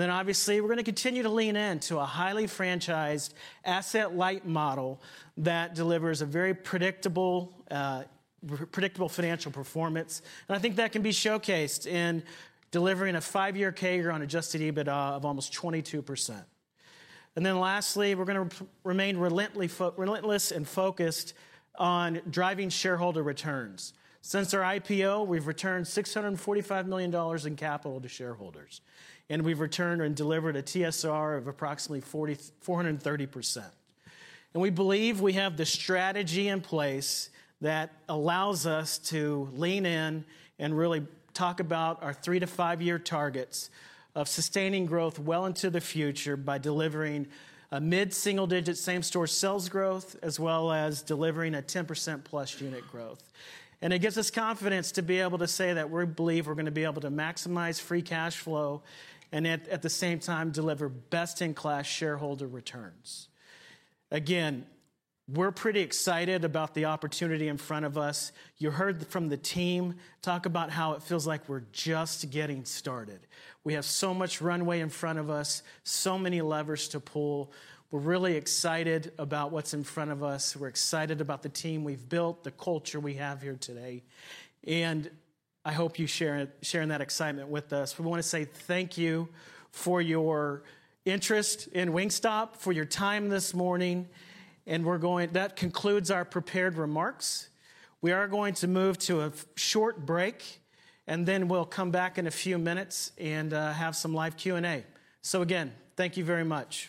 Obviously, we're gonna continue to lean in to a highly franchised asset-light model that delivers a very predictable financial performance. I think that can be showcased in delivering a five-year CAGR on adjusted EBITDA of almost 22%. Then lastly, we're gonna remain relentless and focused on driving shareholder returns. Since our IPO, we've returned $645 million in capital to shareholders, and we've returned and delivered a TSR of approximately 430%. We believe we have the strategy in place that allows us to lean in and really talk about our three- to five-year targets of sustaining growth well into the future by delivering a mid-single-digit same-store sales growth, as well as delivering a 10%+ unit growth. It gives us confidence to be able to say that we believe we're gonna be able to maximize free cash flow and, at the same time, deliver best-in-class shareholder returns. Again, we're pretty excited about the opportunity in front of us. You heard from the team talk about how it feels like we're just getting started. We have so much runway in front of us, so many levers to pull. We're really excited about what's in front of us. We're excited about the team we've built, the culture we have here today, and I hope you share that excitement with us. We want to say thank you for your interest in Wingstop, for your time this morning, and that concludes our prepared remarks. We are going to move to a short break and then we'll come back in a few minutes and have some live Q&A. Again, thank you very much.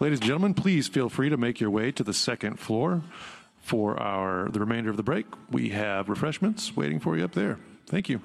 Ladies and gentlemen, please feel free to make your way to the second floor for the remainder of the break. We have refreshments waiting for you up there. Thank you.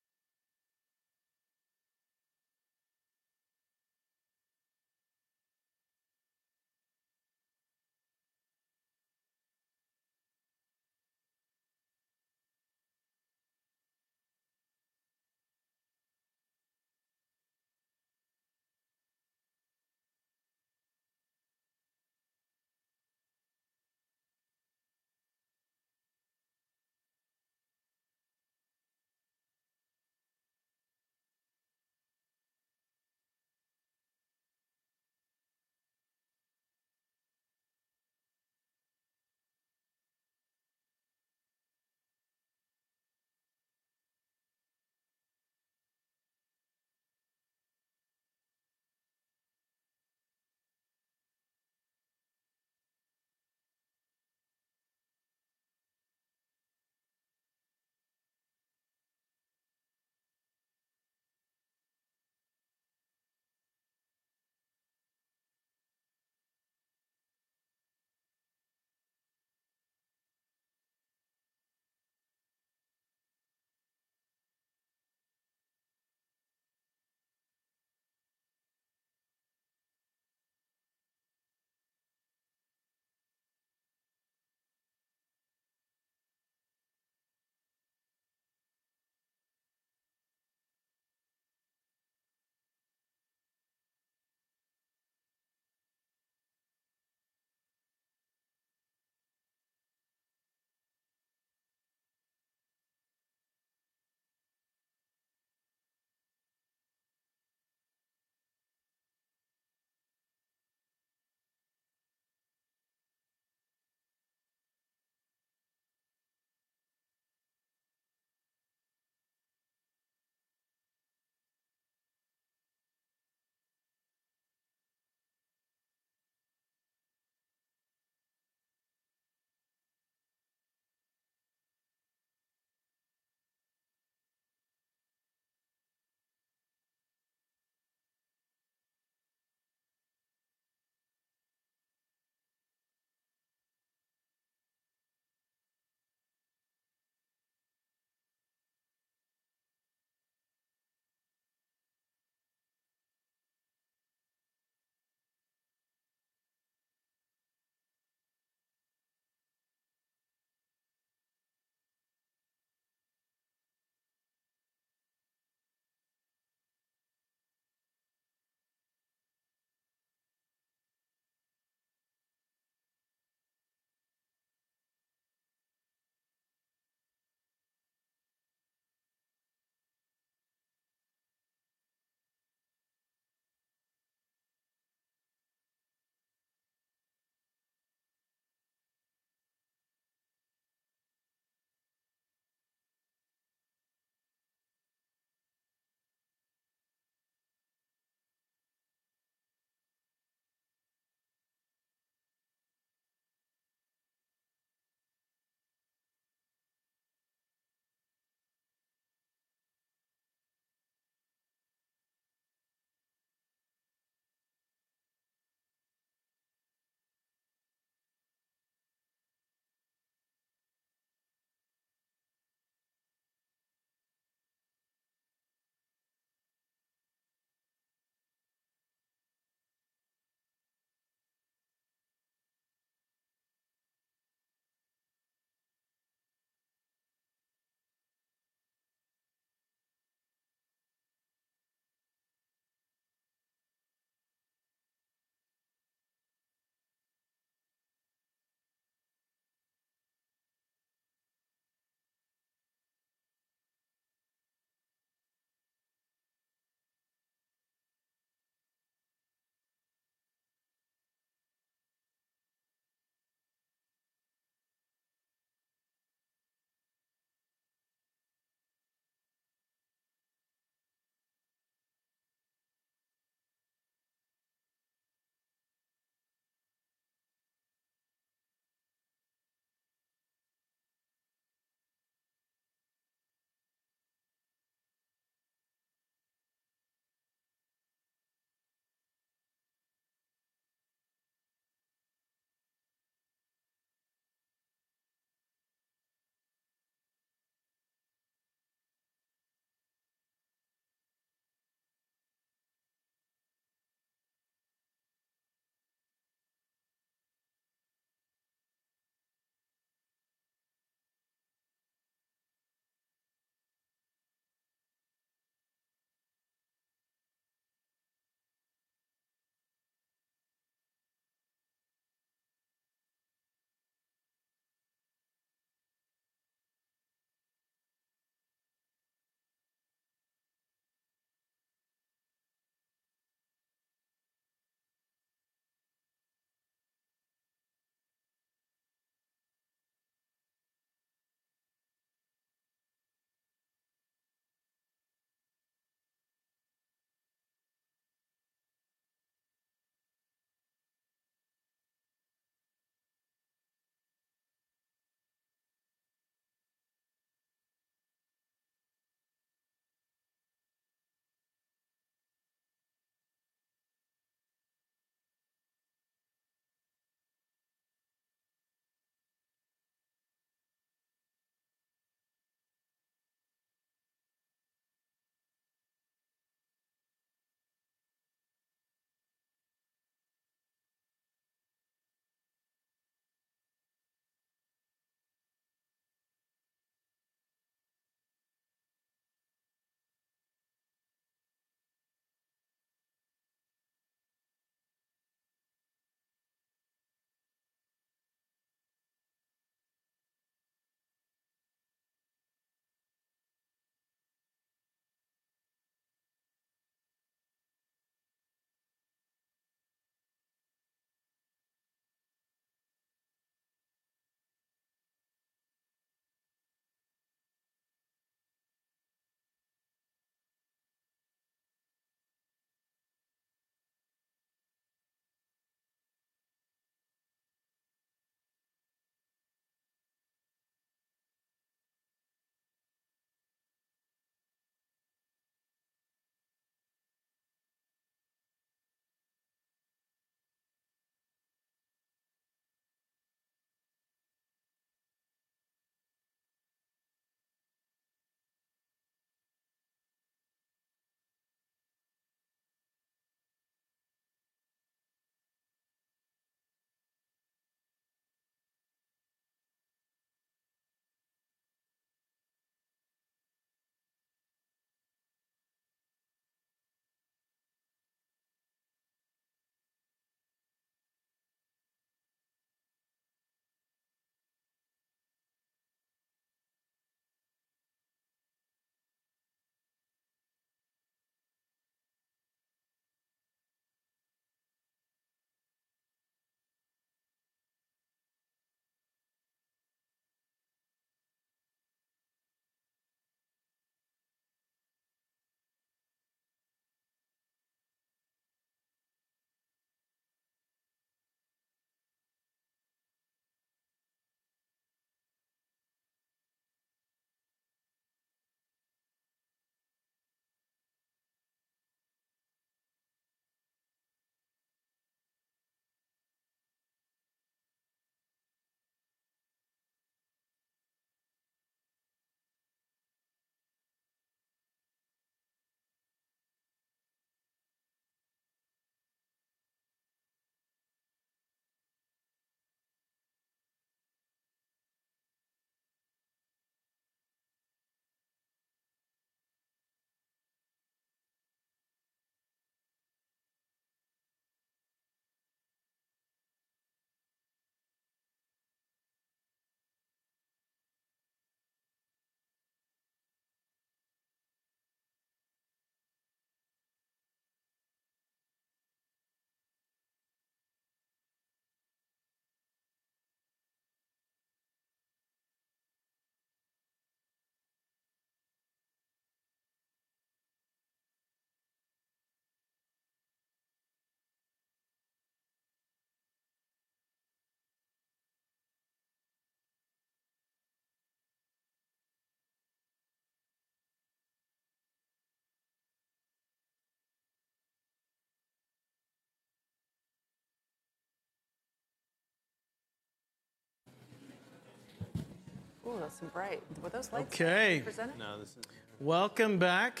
Welcome back.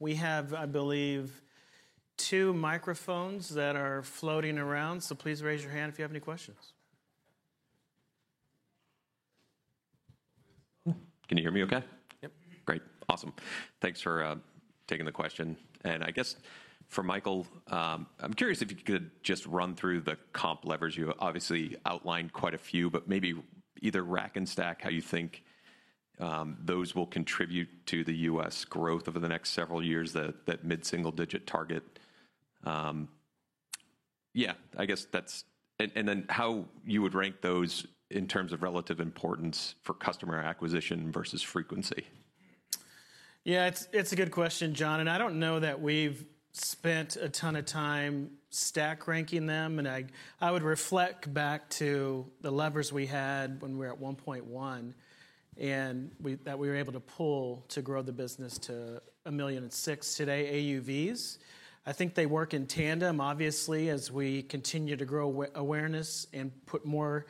We have, I believe, two microphones that are floating around, so please raise your hand if you have any questions. Can you hear me okay? Yep. Great. Awesome. Thanks for taking the question. I guess for Michael, I'm curious if you could just run through the comp levers. You obviously outlined quite a few, but maybe either rack and stack how you think those will contribute to the U.S. growth over the next several years, that mid-single digit target. I guess that's it. Then how you would rank those in terms of relative importance for customer acquisition versus frequency. Yeah, it's a good question, Jon. I don't know that we've spent a ton of time stack ranking them. I would reflect back to the levers we had when we were at $1.1 million, and we were able to pull to grow the business to $1.6 million today AUVs. I think they work in tandem, obviously, as we continue to grow awareness and put more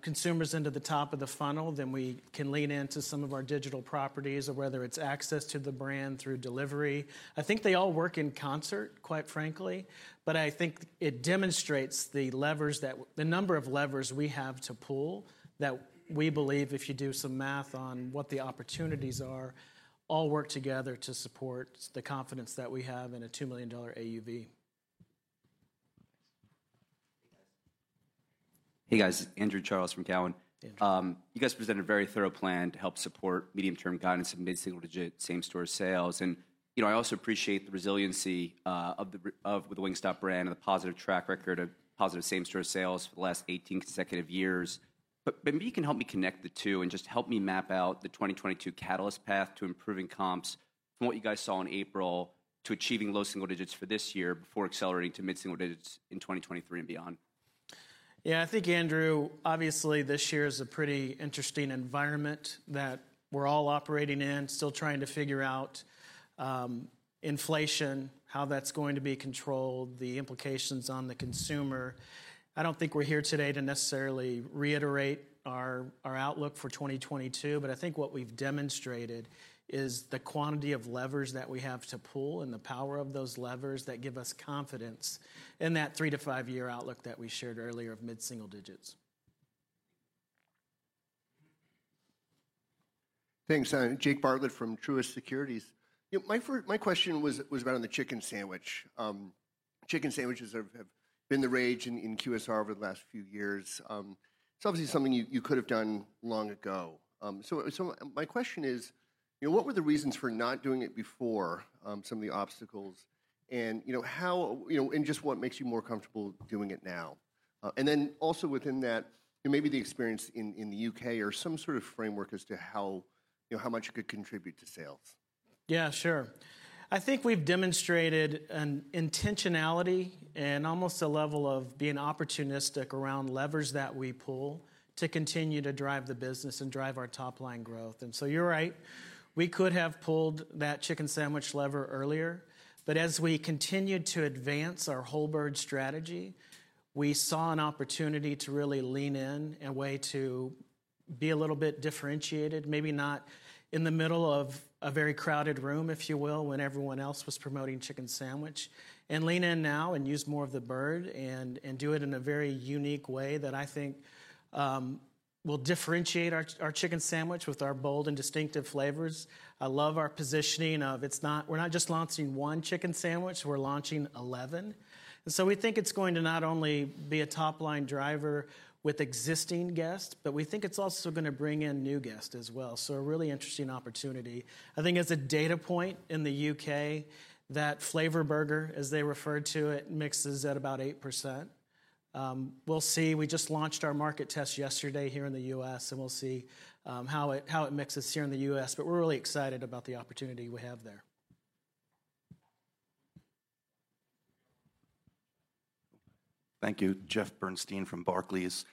consumers into the top of the funnel, then we can lean into some of our digital properties or whether it's access to the brand through delivery. I think they all work in concert, quite frankly. I think it demonstrates the number of levers we have to pull that we believe if you do some math on what the opportunities are, all work together to support the confidence that we have in a $2 million AUV. Hey, guys. Andrew Charles from Cowen. You guys presented a very thorough plan to help support medium-term guidance and mid-single digit same-store sales. You know, I also appreciate the resiliency of the Wingstop brand and the positive track record of positive same-store sales for the last 18 consecutive years. Maybe you can help me connect the two and just help me map out the 2022 catalyst path to improving comps from what you guys saw in April to achieving low single digits for this year before accelerating to mid-single digits in 2023 and beyond. Yeah, I think, Andrew, obviously this year is a pretty interesting environment that we're all operating in, still trying to figure out, inflation, how that's going to be controlled, the implications on the consumer. I don't think we're here today to necessarily reiterate our outlook for 2022, but I think what we've demonstrated is the quantity of levers that we have to pull and the power of those levers that give us confidence in that three- to five-year outlook that we shared earlier of mid-single digits. Thanks. Jake Bartlett from Truist Securities. You know, my question was around the chicken sandwich. Chicken sandwiches have been the rage in QSR over the last few years. It's obviously something you could have done long ago. My question is, you know, what were the reasons for not doing it before, some of the obstacles, and, you know, what makes you more comfortable doing it now? And then also within that, you know, maybe the experience in the U.K. or some sort of framework as to how, you know, how much it could contribute to sales. Yeah, sure. I think we've demonstrated an intentionality and almost a level of being opportunistic around levers that we pull to continue to drive the business and drive our top-line growth. You're right, we could have pulled that chicken sandwich lever earlier. As we continued to advance our whole bird strategy, we saw an opportunity to really lean in, a way to be a little bit differentiated, maybe not in the middle of a very crowded room, if you will, when everyone else was promoting chicken sandwich. Lean in now and use more of the bird and do it in a very unique way that I think will differentiate our chicken sandwich with our bold and distinctive flavors. I love our positioning of it's not, we're not just launching one chicken sandwich, we're launching 11. We think it's going to not only be a top-line driver with existing guests, but we think it's also gonna bring in new guests as well. A really interesting opportunity. I think as a data point in the U.K., that Flavor Burger, as they refer to it, mixes at about 8%. We'll see. We just launched our market test yesterday here in the U.S., and we'll see how it mixes here in the U.S. We're really excited about the opportunity we have there. Thank you. Jeff Bernstein from Barclays.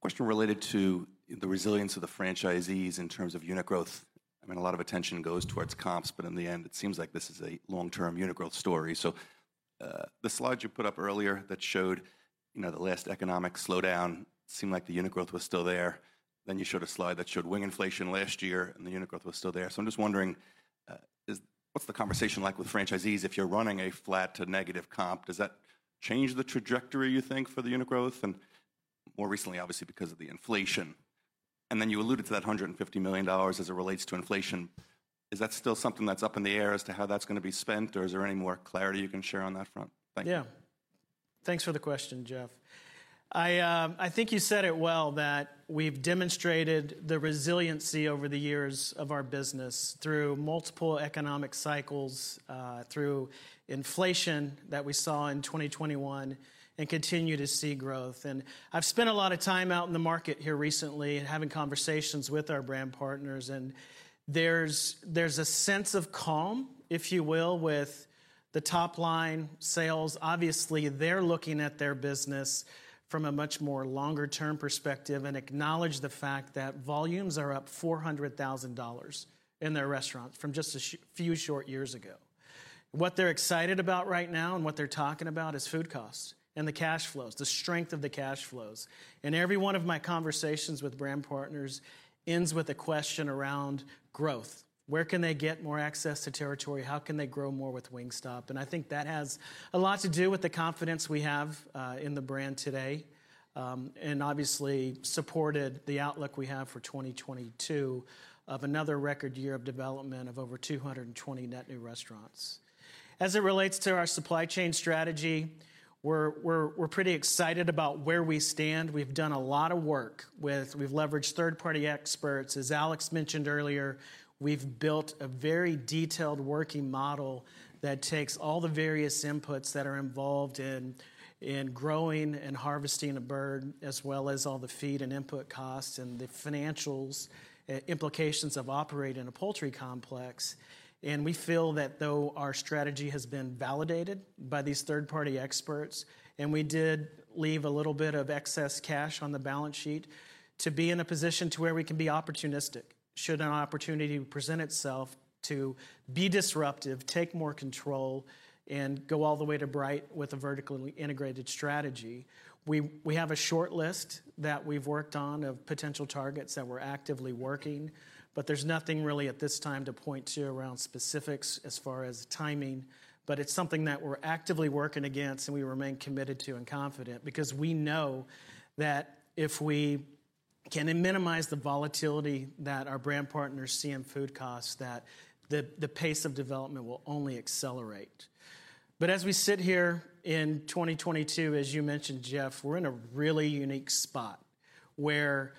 Question related to the resilience of the franchisees in terms of unit growth. I mean, a lot of attention goes towards comps, but in the end it seems like this is a long-term unit growth story. The slide you put up earlier that showed, you know, the last economic slowdown seemed like the unit growth was still there. You showed a slide that showed wing inflation last year, and the unit growth was still there. I'm just wondering, what's the conversation like with franchisees if you're running a flat to negative comp? Does that change the trajectory you think for the unit growth? More recently obviously because of the inflation. You alluded to that $150 million as it relates to inflation. Is that still something that's up in the air as to how that's gonna be spent, or is there any more clarity you can share on that front? Thank you. Yeah. Thanks for the question, Jeff. I think you said it well that we've demonstrated the resiliency over the years of our business through multiple economic cycles, through inflation that we saw in 2021 and continue to see growth. I've spent a lot of time out in the market here recently and having conversations with our brand partners, and there's a sense of calm, if you will, with the top-line sales. Obviously, they're looking at their business from a much more longer-term perspective and acknowledge the fact that volumes are up $400,000 in their restaurants from just a few short years ago. What they're excited about right now and what they're talking about is food costs and the cash flows, the strength of the cash flows. Every one of my conversations with brand partners ends with a question around growth. Where can they get more access to territory? How can they grow more with Wingstop? I think that has a lot to do with the confidence we have in the brand today and obviously supported the outlook we have for 2022 of another record year of development of over 220 net new restaurants. As it relates to our supply chain strategy, we're pretty excited about where we stand. We've done a lot of work. We've leveraged third-party experts. As Alex mentioned earlier, we've built a very detailed working model that takes all the various inputs that are involved in growing and harvesting a bird, as well as all the feed and input costs and the financials implications of operating a poultry complex. We feel that though our strategy has been validated by these third-party experts, and we did leave a little bit of excess cash on the balance sheet to be in a position where we can be opportunistic should an opportunity present itself to be disruptive, take more control, and go all the way to buy it with a vertically integrated strategy. We have a short list that we've worked on of potential targets that we're actively working on, but there's nothing really at this time to point to around specifics as far as timing, but it's something that we're actively working on and we remain committed to and confident because we know that if we can minimize the volatility that our brand partners see in food costs, that the pace of development will only accelerate. As we sit here in 2022, as you mentioned, Jeff, we're in a really unique spot where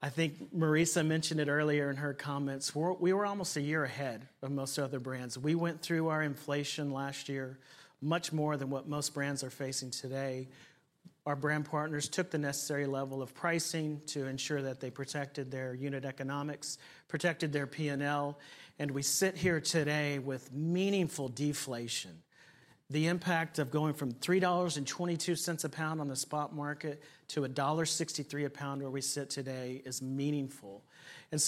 I think Marisa mentioned it earlier in her comments, we were almost a year ahead of most other brands. We went through our inflation last year much more than what most brands are facing today. Our brand partners took the necessary level of pricing to ensure that they protected their unit economics, protected their P&L, and we sit here today with meaningful deflation. The impact of going from $3.22 a pound on the spot market to $1.63 a pound where we sit today is meaningful.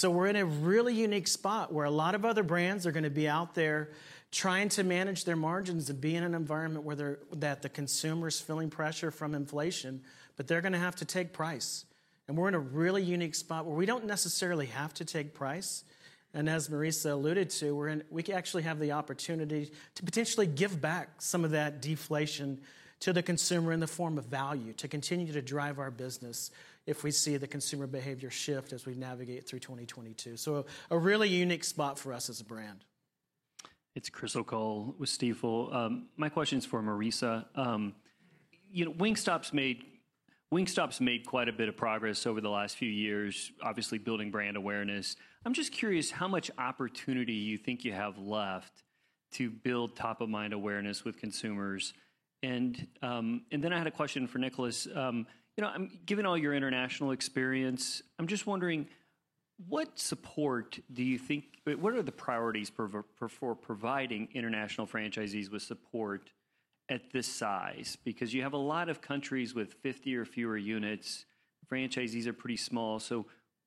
We're in a really unique spot where a lot of other brands are gonna be out there trying to manage their margins and be in an environment where the consumer's feeling pressure from inflation, but they're gonna have to take price. We're in a really unique spot where we don't necessarily have to take price, and as Marisa alluded to, we actually have the opportunity to potentially give back some of that deflation to the consumer in the form of value to continue to drive our business if we see the consumer behavior shift as we navigate through 2022. A really unique spot for us as a brand. It's Chris O'Cull with Stifel. My question's for Marisa. You know, Wingstop's made quite a bit of progress over the last few years, obviously building brand awareness. I'm just curious how much opportunity you think you have left to build top-of-mind awareness with consumers. I had a question for Nicolas. You know, given all your international experience, I'm just wondering what are the priorities for providing international franchisees with support at this size? Because you have a lot of countries with 50 or fewer units. Franchisees are pretty small.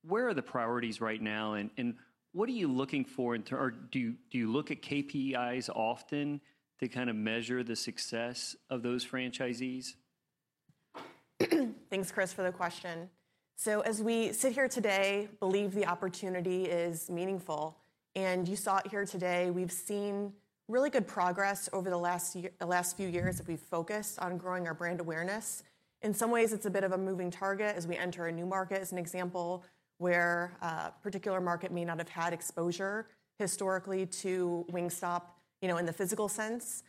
Where are the priorities right now, and what are you looking for? Or do you look at KPIs often to kind of measure the success of those franchisees? Thanks, Chris, for the question. As we sit here today, believe the opportunity is meaningful, and you saw it here today, we've seen really good progress over the last few years that we've focused on growing our brand awareness. In some ways, it's a bit of a moving target as we enter a new market, as an example, where a particular market may not have had exposure historically to Wingstop, you know, in the physical sense.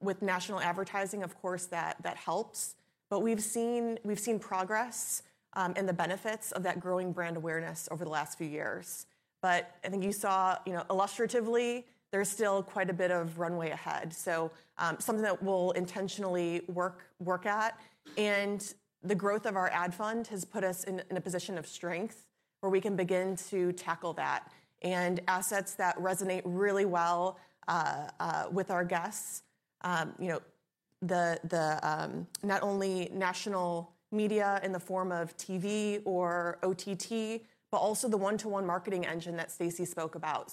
With national advertising, of course, that helps. We've seen progress in the benefits of that growing brand awareness over the last few years. I think you saw, you know, illustratively, there's still quite a bit of runway ahead. Something that we'll intentionally work at. The growth of our ad fund has put us in a position of strength where we can begin to tackle that and assets that resonate really well with our guests, you know, not only national media in the form of TV or OTT, but also the one-to-one marketing engine that Stacy spoke about.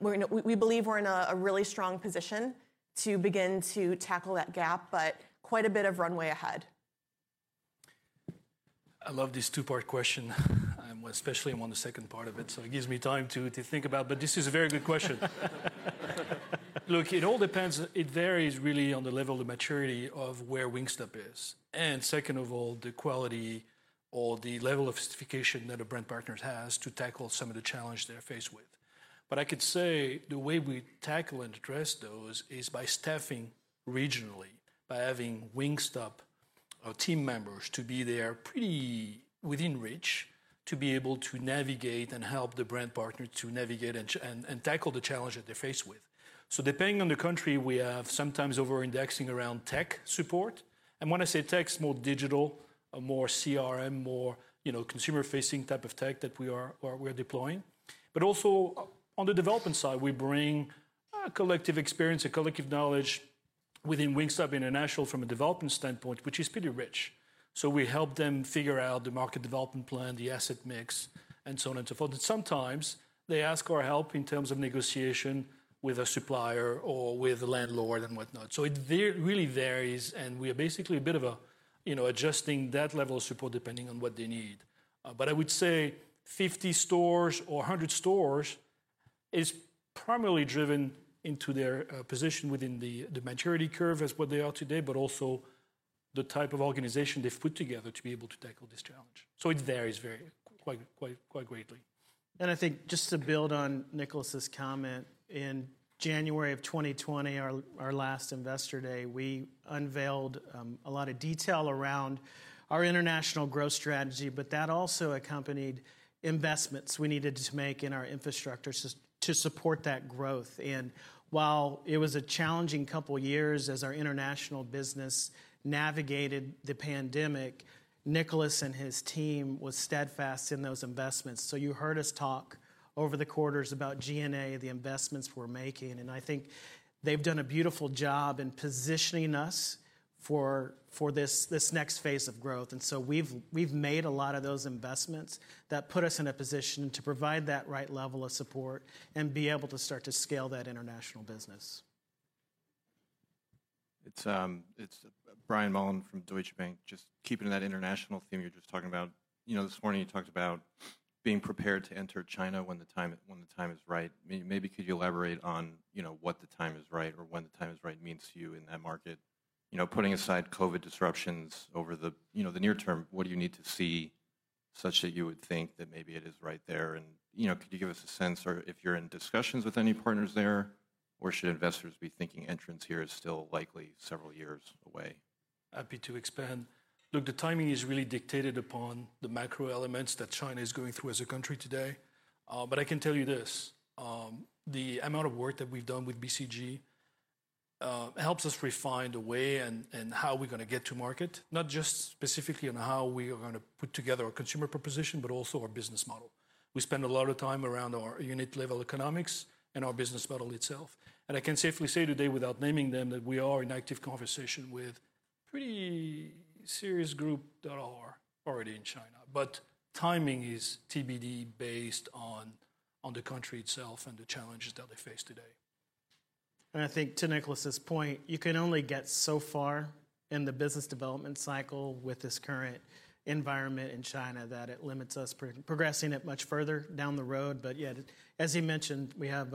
We believe we're in a really strong position to begin to tackle that gap, but quite a bit of runway ahead. I love this two-part question, especially on the second part of it, so it gives me time to think about, but this is a very good question. Look, it all depends. It varies really on the level of maturity of where Wingstop is. Second of all, the quality or the level of sophistication that a brand partners has to tackle some of the challenge they're faced with. I could say the way we tackle and address those is by staffing regionally, by having Wingstop or team members to be there pretty within reach to be able to navigate and help the brand partner to navigate and tackle the challenge that they're faced with. Depending on the country, we have sometimes over-indexing around tech support. When I say tech, it's more digital, more CRM, more, you know, consumer-facing type of tech that we're deploying. Also on the development side, we bring a collective experience, a collective knowledge within Wingstop International from a development standpoint, which is pretty rich. We help them figure out the market development plan, the asset mix, and so on and so forth. Sometimes they ask our help in terms of negotiation with a supplier or with the landlord and whatnot. It really varies, and we are basically a bit of a, you know, adjusting that level of support depending on what they need. I would say 50 stores or 100 stores is primarily driven into their position within the maturity curve as what they are today, but also the type of organization they've put together to be able to tackle this challenge. It varies quite greatly. I think just to build on Nicolas' comment, in January of 2020, our last Investor Day, we unveiled a lot of detail around our international growth strategy, but that also accompanied investments we needed to make in our infrastructure to support that growth. While it was a challenging couple of years as our international business navigated the pandemic, Nicolas and his team was steadfast in those investments. You heard us talk over the quarters about G&A, the investments we're making, and I think they've done a beautiful job in positioning us for this next phase of growth. We've made a lot of those investments that put us in a position to provide that right level of support and be able to start to scale that international business. It's Brian Mullan from Deutsche Bank. Just keeping that international theme you're just talking about. You know, this morning you talked about being prepared to enter China when the time is right. Maybe could you elaborate on, you know, what the time is right or when the time is right means to you in that market? You know, putting aside COVID disruptions over the near term, what do you need to see such that you would think that maybe it is right there? You know, could you give us a sense or if you're in discussions with any partners there, or should investors be thinking entrance here is still likely several years away? Happy to expand. Look, the timing is really dictated upon the macro elements that China is going through as a country today. I can tell you this, the amount of work that we've done with BCG helps us refine the way and how we're gonna get to market, not just specifically on how we are gonna put together a consumer proposition, but also our business model. We spend a lot of time around our unit level economics and our business model itself. I can safely say today, without naming them, that we are in active conversation with pretty serious group that are already in China. Timing is TBD based on the country itself and the challenges that they face today. I think to Nicolas' point, you can only get so far in the business development cycle with this current environment in China that it limits us from progressing it much further down the road. Yeah, as he mentioned, we have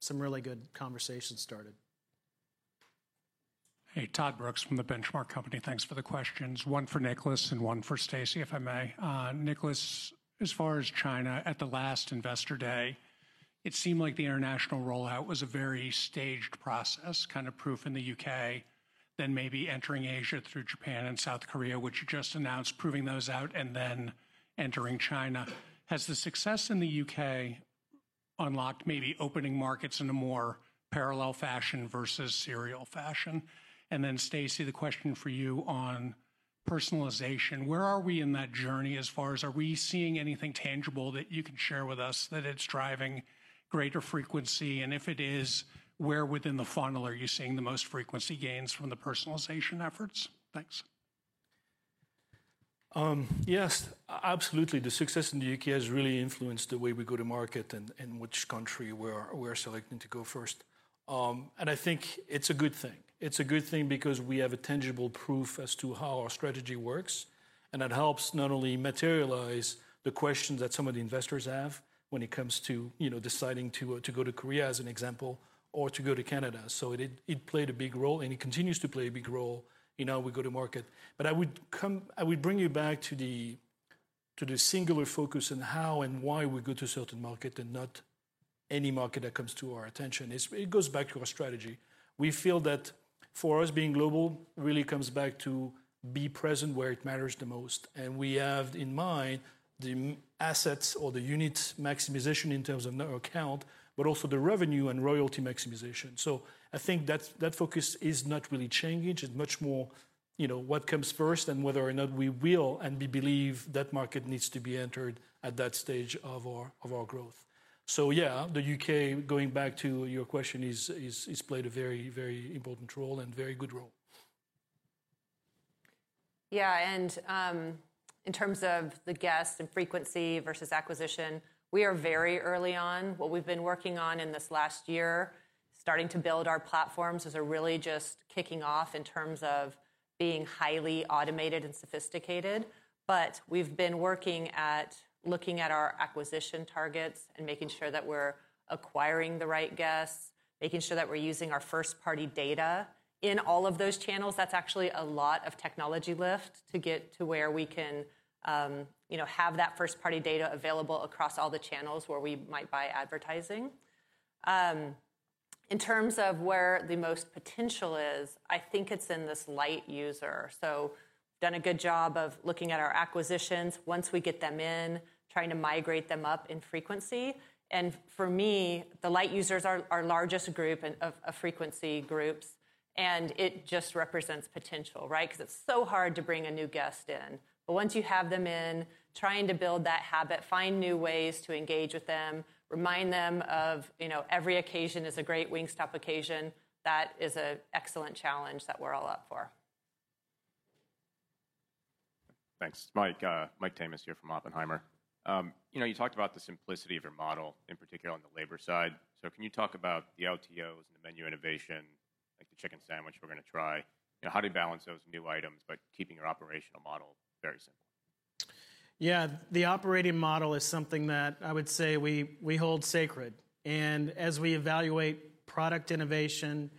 some really good conversations started. Hey, Todd Brooks from The Benchmark Company. Thanks for the questions. One for Nicolas and one for Stacy, if I may. Nicolas, as far as China, at the last Investor Day, it seemed like the international rollout was a very staged process, kind of proof in the U.K., then maybe entering Asia through Japan and South Korea, which you just announced, proving those out, and then entering China. Has the success in the U.K. unlocked maybe opening markets in a more parallel fashion versus serial fashion? Stacy, the question for you on personalization, where are we in that journey as far as are we seeing anything tangible that you can share with us that it's driving greater frequency? If it is, where within the funnel are you seeing the most frequency gains from the personalization efforts? Thanks. Yes, absolutely. The success in the U.K. has really influenced the way we go to market and which country we're selecting to go first. I think it's a good thing. It's a good thing because we have a tangible proof as to how our strategy works, and it helps not only materialize the questions that some of the investors have when it comes to, you know, deciding to go to Korea as an example, or to go to Canada. It played a big role, and it continues to play a big role in how we go to market. I would bring you back to the singular focus on how and why we go to a certain market and not any market that comes to our attention. It goes back to our strategy. We feel that for us, being global really comes down to being present where it matters the most, and we have in mind the assets or the unit maximization in terms of net new count, but also the revenue and royalty maximization. I think that focus is not really changing. It's much more, you know, what comes first and whether or not we will, and we believe that market needs to be entered at that stage of our growth. Yeah, the U.K., going back to your question, has played a very, very important role and very good role. Yeah. In terms of the guest and frequency versus acquisition, we are very early on. What we've been working on in this last year, starting to build our platforms, those are really just kicking off in terms of being highly automated and sophisticated. We've been working at looking at our acquisition targets and making sure that we're acquiring the right guests, making sure that we're using our first-party data in all of those channels. That's actually a lot of technology lift to get to where we can, you know, have that first-party data available across all the channels where we might buy advertising. In terms of where the most potential is, I think it's in this light user. Done a good job of looking at our acquisitions. Once we get them in, trying to migrate them up in frequency. For me, the light users are our largest group of frequency groups, and it just represents potential, right? 'Cause it's so hard to bring a new guest in. Once you have them in, trying to build that habit, find new ways to engage with them, remind them of, you know, every occasion is a great Wingstop occasion, that is a excellent challenge that we're all up for. Thanks. Mike Tamas here from Oppenheimer. You know, you talked about the simplicity of your model, in particular on the labor side. Can you talk about the LTOs and the menu innovation, like the chicken sandwich we're gonna try? You know, how do you balance those new items but keeping your operational model very simple? Yeah. The operating model is something that I would say we hold sacred. As we evaluate product innovation,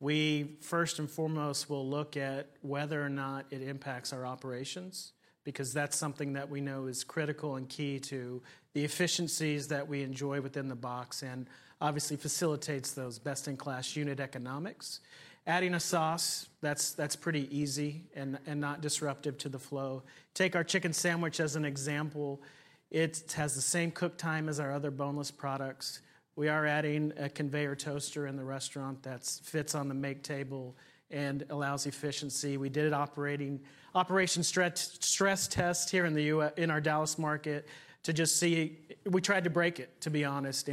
we first and foremost will look at whether or not it impacts our operations, because that's something that we know is critical and key to the efficiencies that we enjoy within the box, and obviously facilitates those best-in-class unit economics. Adding a sauce that's pretty easy and not disruptive to the flow. Take our chicken sandwich as an example. It has the same cook time as our other boneless products. We are adding a conveyor toaster in the restaurant that fits on the make table and allows efficiency. We did operations stress test here in our Dallas market. We tried to break it, to be honest,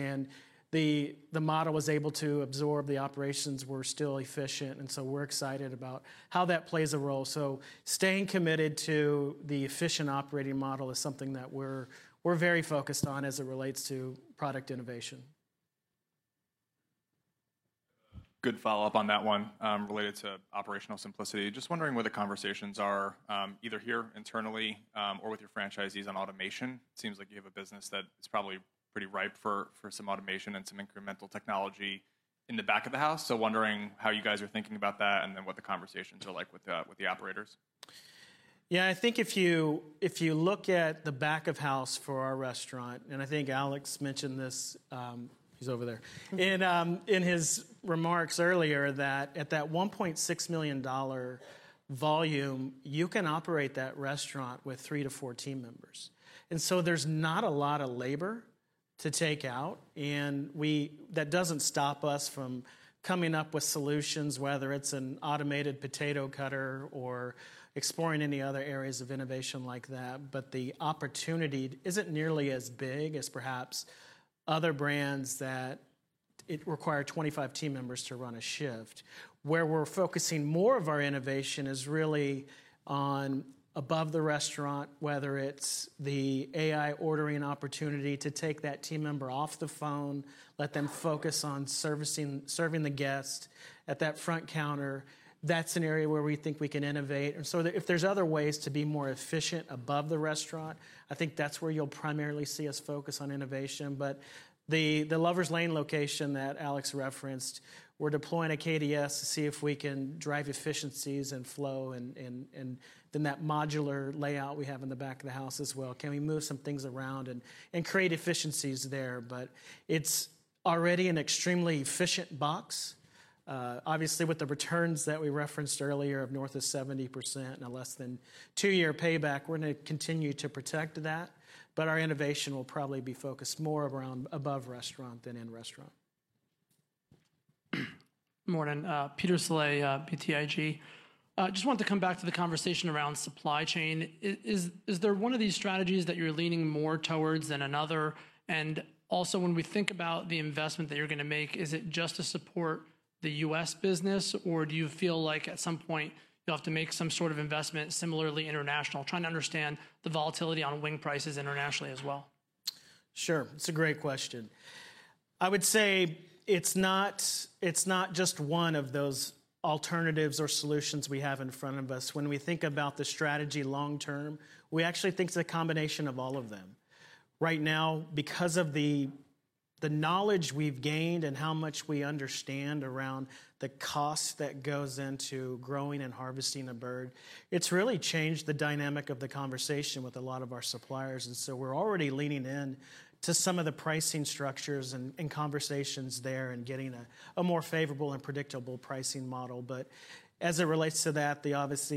and the model was able to absorb, the operations were still efficient, and we're excited about how that plays a role. Staying committed to the efficient operating model is something that we're very focused on as it relates to product innovation. Good follow-up on that one, related to operational simplicity. Just wondering where the conversations are, either here internally, or with your franchisees on automation. Seems like you have a business that is probably pretty ripe for some automation and some incremental technology in the back of the house, so wondering how you guys are thinking about that and then what the conversations are like with the operators. I think if you look at the back of house for our restaurant, and I think Alex mentioned this. He's over there. In his remarks earlier that at that $1.6 million volume, you can operate that restaurant with three to four team members. There's not a lot of labor to take out, and that doesn't stop us from coming up with solutions, whether it's an automated potato cutter or exploring any other areas of innovation like that. The opportunity isn't nearly as big as perhaps other brands that require 25 team members to run a shift. We're focusing more of our innovation really on above the restaurant, whether it's the AI ordering opportunity to take that team member off the phone, let them focus on serving the guest at that front counter. That's an area where we think we can innovate. If there's other ways to be more efficient above the restaurant, I think that's where you'll primarily see us focus on innovation. But the Lovers Lane location that Alex referenced, we're deploying a KDS to see if we can drive efficiencies and flow and then that modular layout we have in the back of the house as well. Can we move some things around and create efficiencies there? But it's already an extremely efficient box. Obviously, with the returns that we referenced earlier of north of 70% and a less than two-year payback, we're gonna continue to protect that, but our innovation will probably be focused more around above restaurant than in restaurant. Morning. Peter Saleh, BTIG. Just wanted to come back to the conversation around supply chain. Is there one of these strategies that you're leaning more towards than another? And also, when we think about the investment that you're gonna make, is it just to support the U.S. business, or do you feel like at some point you'll have to make some sort of investment similarly international? Trying to understand the volatility on wing prices internationally as well. Sure. It's a great question. I would say it's not just one of those alternatives or solutions we have in front of us. When we think about the strategy long term, we actually think it's a combination of all of them. Right now, because of the knowledge we've gained and how much we understand around the cost that goes into growing and harvesting a bird, it's really changed the dynamic of the conversation with a lot of our suppliers. We're already leaning in to some of the pricing structures and conversations there and getting a more favorable and predictable pricing model. As it relates to that, the obvious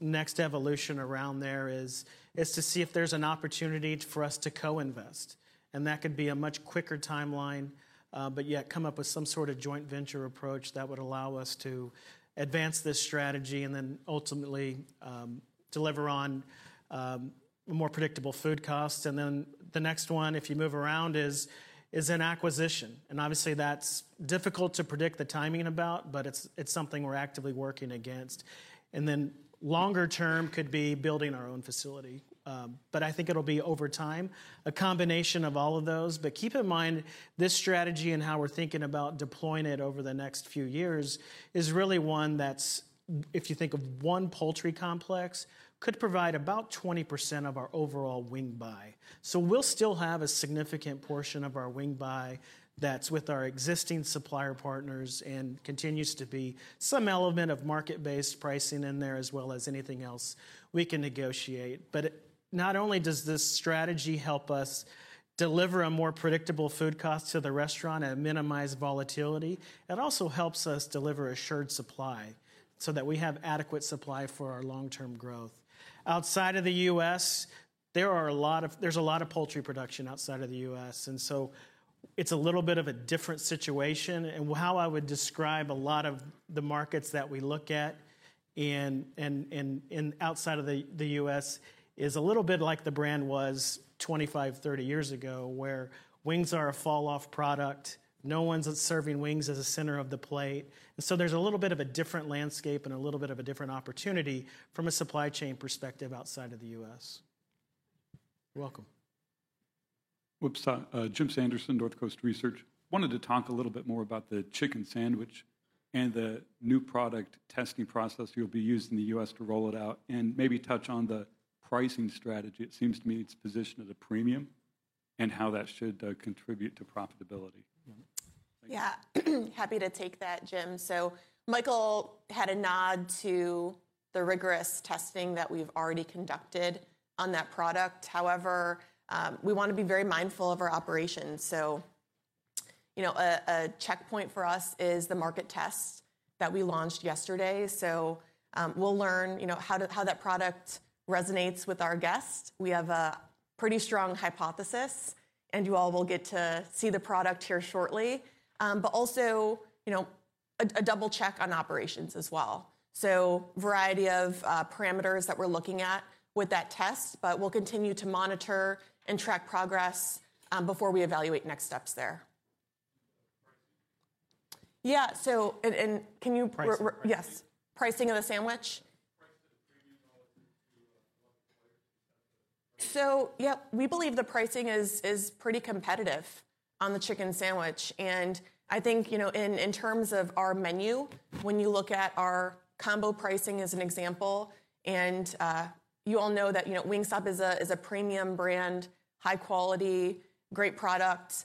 next evolution around there is to see if there's an opportunity for us to co-invest, and that could be a much quicker timeline, but yet come up with some sort of joint venture approach that would allow us to advance this strategy and then ultimately deliver on more predictable food costs. The next one, if you move around, is an acquisition. Obviously that's difficult to predict the timing about, but it's something we're actively working against. Longer term could be building our own facility. I think it'll be over time, a combination of all of those. Keep in mind, this strategy and how we're thinking about deploying it over the next few years is really one that's, if you think of one poultry complex, could provide about 20% of our overall wing buy. We'll still have a significant portion of our wing buy that's with our existing supplier partners and continues to be some element of market-based pricing in there as well as anything else we can negotiate. It not only does this strategy help us deliver a more predictable food cost to the restaurant and minimize volatility, it also helps us deliver assured supply so that we have adequate supply for our long-term growth. Outside of the U.S., there's a lot of poultry production outside of the U.S., and so it's a little bit of a different situation. How I would describe a lot of the markets that we look at in outside of the U.S. is a little bit like the brand was 25 years, 30 years ago, where wings are a falloff product. No one's serving wings as a center of the plate. There's a little bit of a different landscape and a little bit of a different opportunity from a supply chain perspective outside of the U.S. Welcome. Jim Sanderson, Northcoast Research. Wanted to talk a little bit more about the chicken sandwich and the new product testing process you'll be using in the U.S. to roll it out, and maybe touch on the pricing strategy. It seems to me it's positioned as a premium, and how that should contribute to profitability. Yeah. Happy to take that, Jim. Michael had a nod to the rigorous testing that we've already conducted on that product. However, we wanna be very mindful of our operations. You know, a checkpoint for us is the market test that we launched yesterday. We'll learn, you know, how that product resonates with our guests. We have a pretty strong hypothesis, and you all will get to see the product here shortly. But also, you know, a double check on operations as well. Variety of parameters that we're looking at with that test, but we'll continue to monitor and track progress before we evaluate next steps there. Pricing. Yeah. Can you? Yes. Pricing of the sandwich. Yeah, we believe the pricing is pretty competitive on the chicken sandwich. I think, you know, in terms of our menu, when you look at our combo pricing as an example, you all know that, you know, Wingstop is a premium brand, high quality, great product.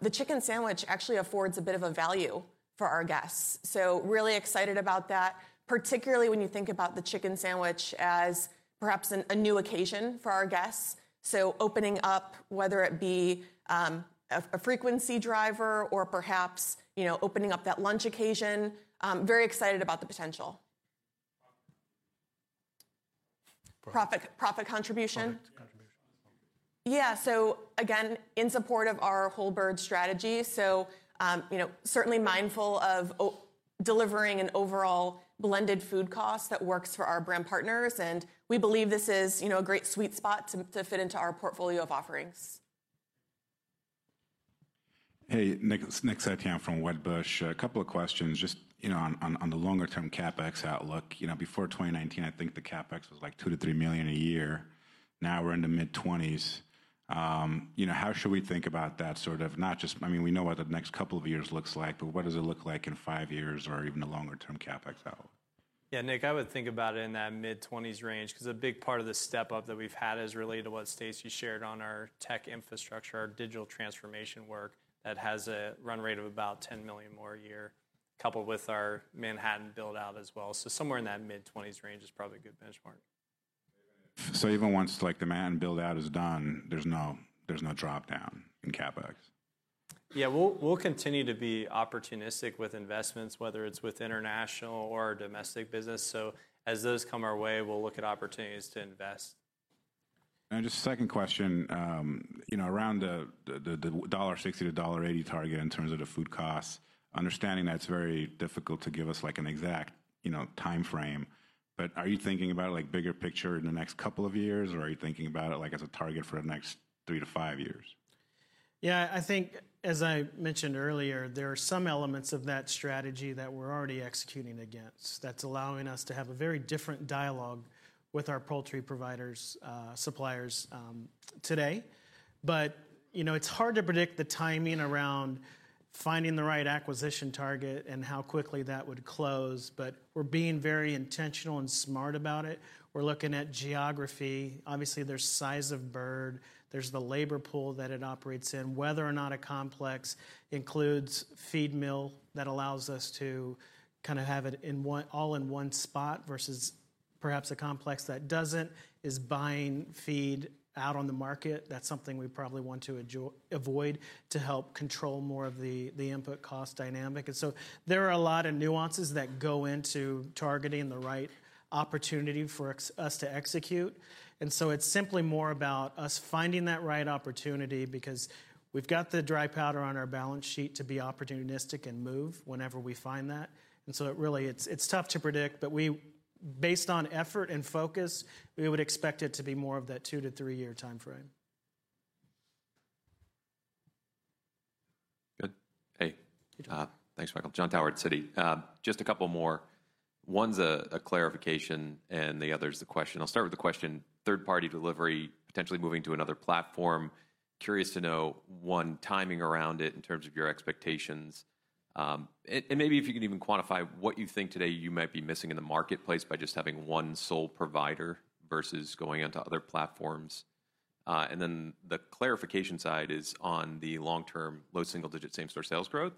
The chicken sandwich actually affords a bit of a value for our guests. Really excited about that, particularly when you think about the chicken sandwich as perhaps a new occasion for our guests. Opening up whether it be a frequency driver or perhaps, you know, opening up that lunch occasion, very excited about the potential. Profit contribution? Again, in support of our whole bird strategy, certainly mindful of delivering an overall blended food cost that works for our brand partners, and we believe this is, you know, a great sweet spot to fit into our portfolio of offerings. Hey, Nick Setyan from Wedbush. A couple of questions just, you know, on the longer term CapEx outlook. You know, before 2019, I think the CapEx was like $2 million-$3 million a year. Now we're in the mid-$20s. You know, how should we think about that. I mean, we know what the next couple of years looks like, but what does it look like in five years or even a longer-term CapEx outlook? Yeah, Nick, I would think about it in that mid-twenties range, 'cause a big part of the step-up that we've had is related to what Stacy shared on our tech infrastructure, our digital transformation work that has a run rate of about $10 million more a year, coupled with our Manhattan build-out as well. Somewhere in that mid-twenties range is probably a good benchmark. Even once like the Manhattan build-out is done, there's no dropdown in CapEx? Yeah. We'll continue to be opportunistic with investments, whether it's with international or domestic business. As those come our way, we'll look at opportunities to invest. Just a second question. You know, around the $1.60-$1.80 target in terms of the food costs, understanding that it's very difficult to give us like an exact, you know, timeframe, but are you thinking about it like bigger picture in the next couple of years, or are you thinking about it like as a target for the next three to five years? Yeah, I think as I mentioned earlier, there are some elements of that strategy that we're already executing against that's allowing us to have a very different dialogue with our poultry providers, suppliers, today. You know, it's hard to predict the timing around finding the right acquisition target and how quickly that would close, but we're being very intentional and smart about it. We're looking at geography. Obviously, there's size of bird, there's the labor pool that it operates in, whether or not a complex includes feed mill that allows us to kind of have it in all in one spot versus perhaps a complex that doesn't, is buying feed out on the market. That's something we probably want to avoid to help control more of the input cost dynamic. There are a lot of nuances that go into targeting the right opportunity for ex-U.S. to execute. It's simply more about us finding that right opportunity because we've got the dry powder on our balance sheet to be opportunistic and move whenever we find that. It's tough to predict, but, based on effort and focus, we would expect it to be more of that two- to three-year timeframe. Good. Hey. Thanks, Michael. Jon Tower at Citi. Just a couple more. One's a clarification and the other's a question. I'll start with the question. Third-party delivery potentially moving to another platform. Curious to know, one, timing around it in terms of your expectations. And maybe if you can even quantify what you think today you might be missing in the marketplace by just having one sole provider versus going onto other platforms. And then the clarification side is on the long-term low single-digit same-store sales growth.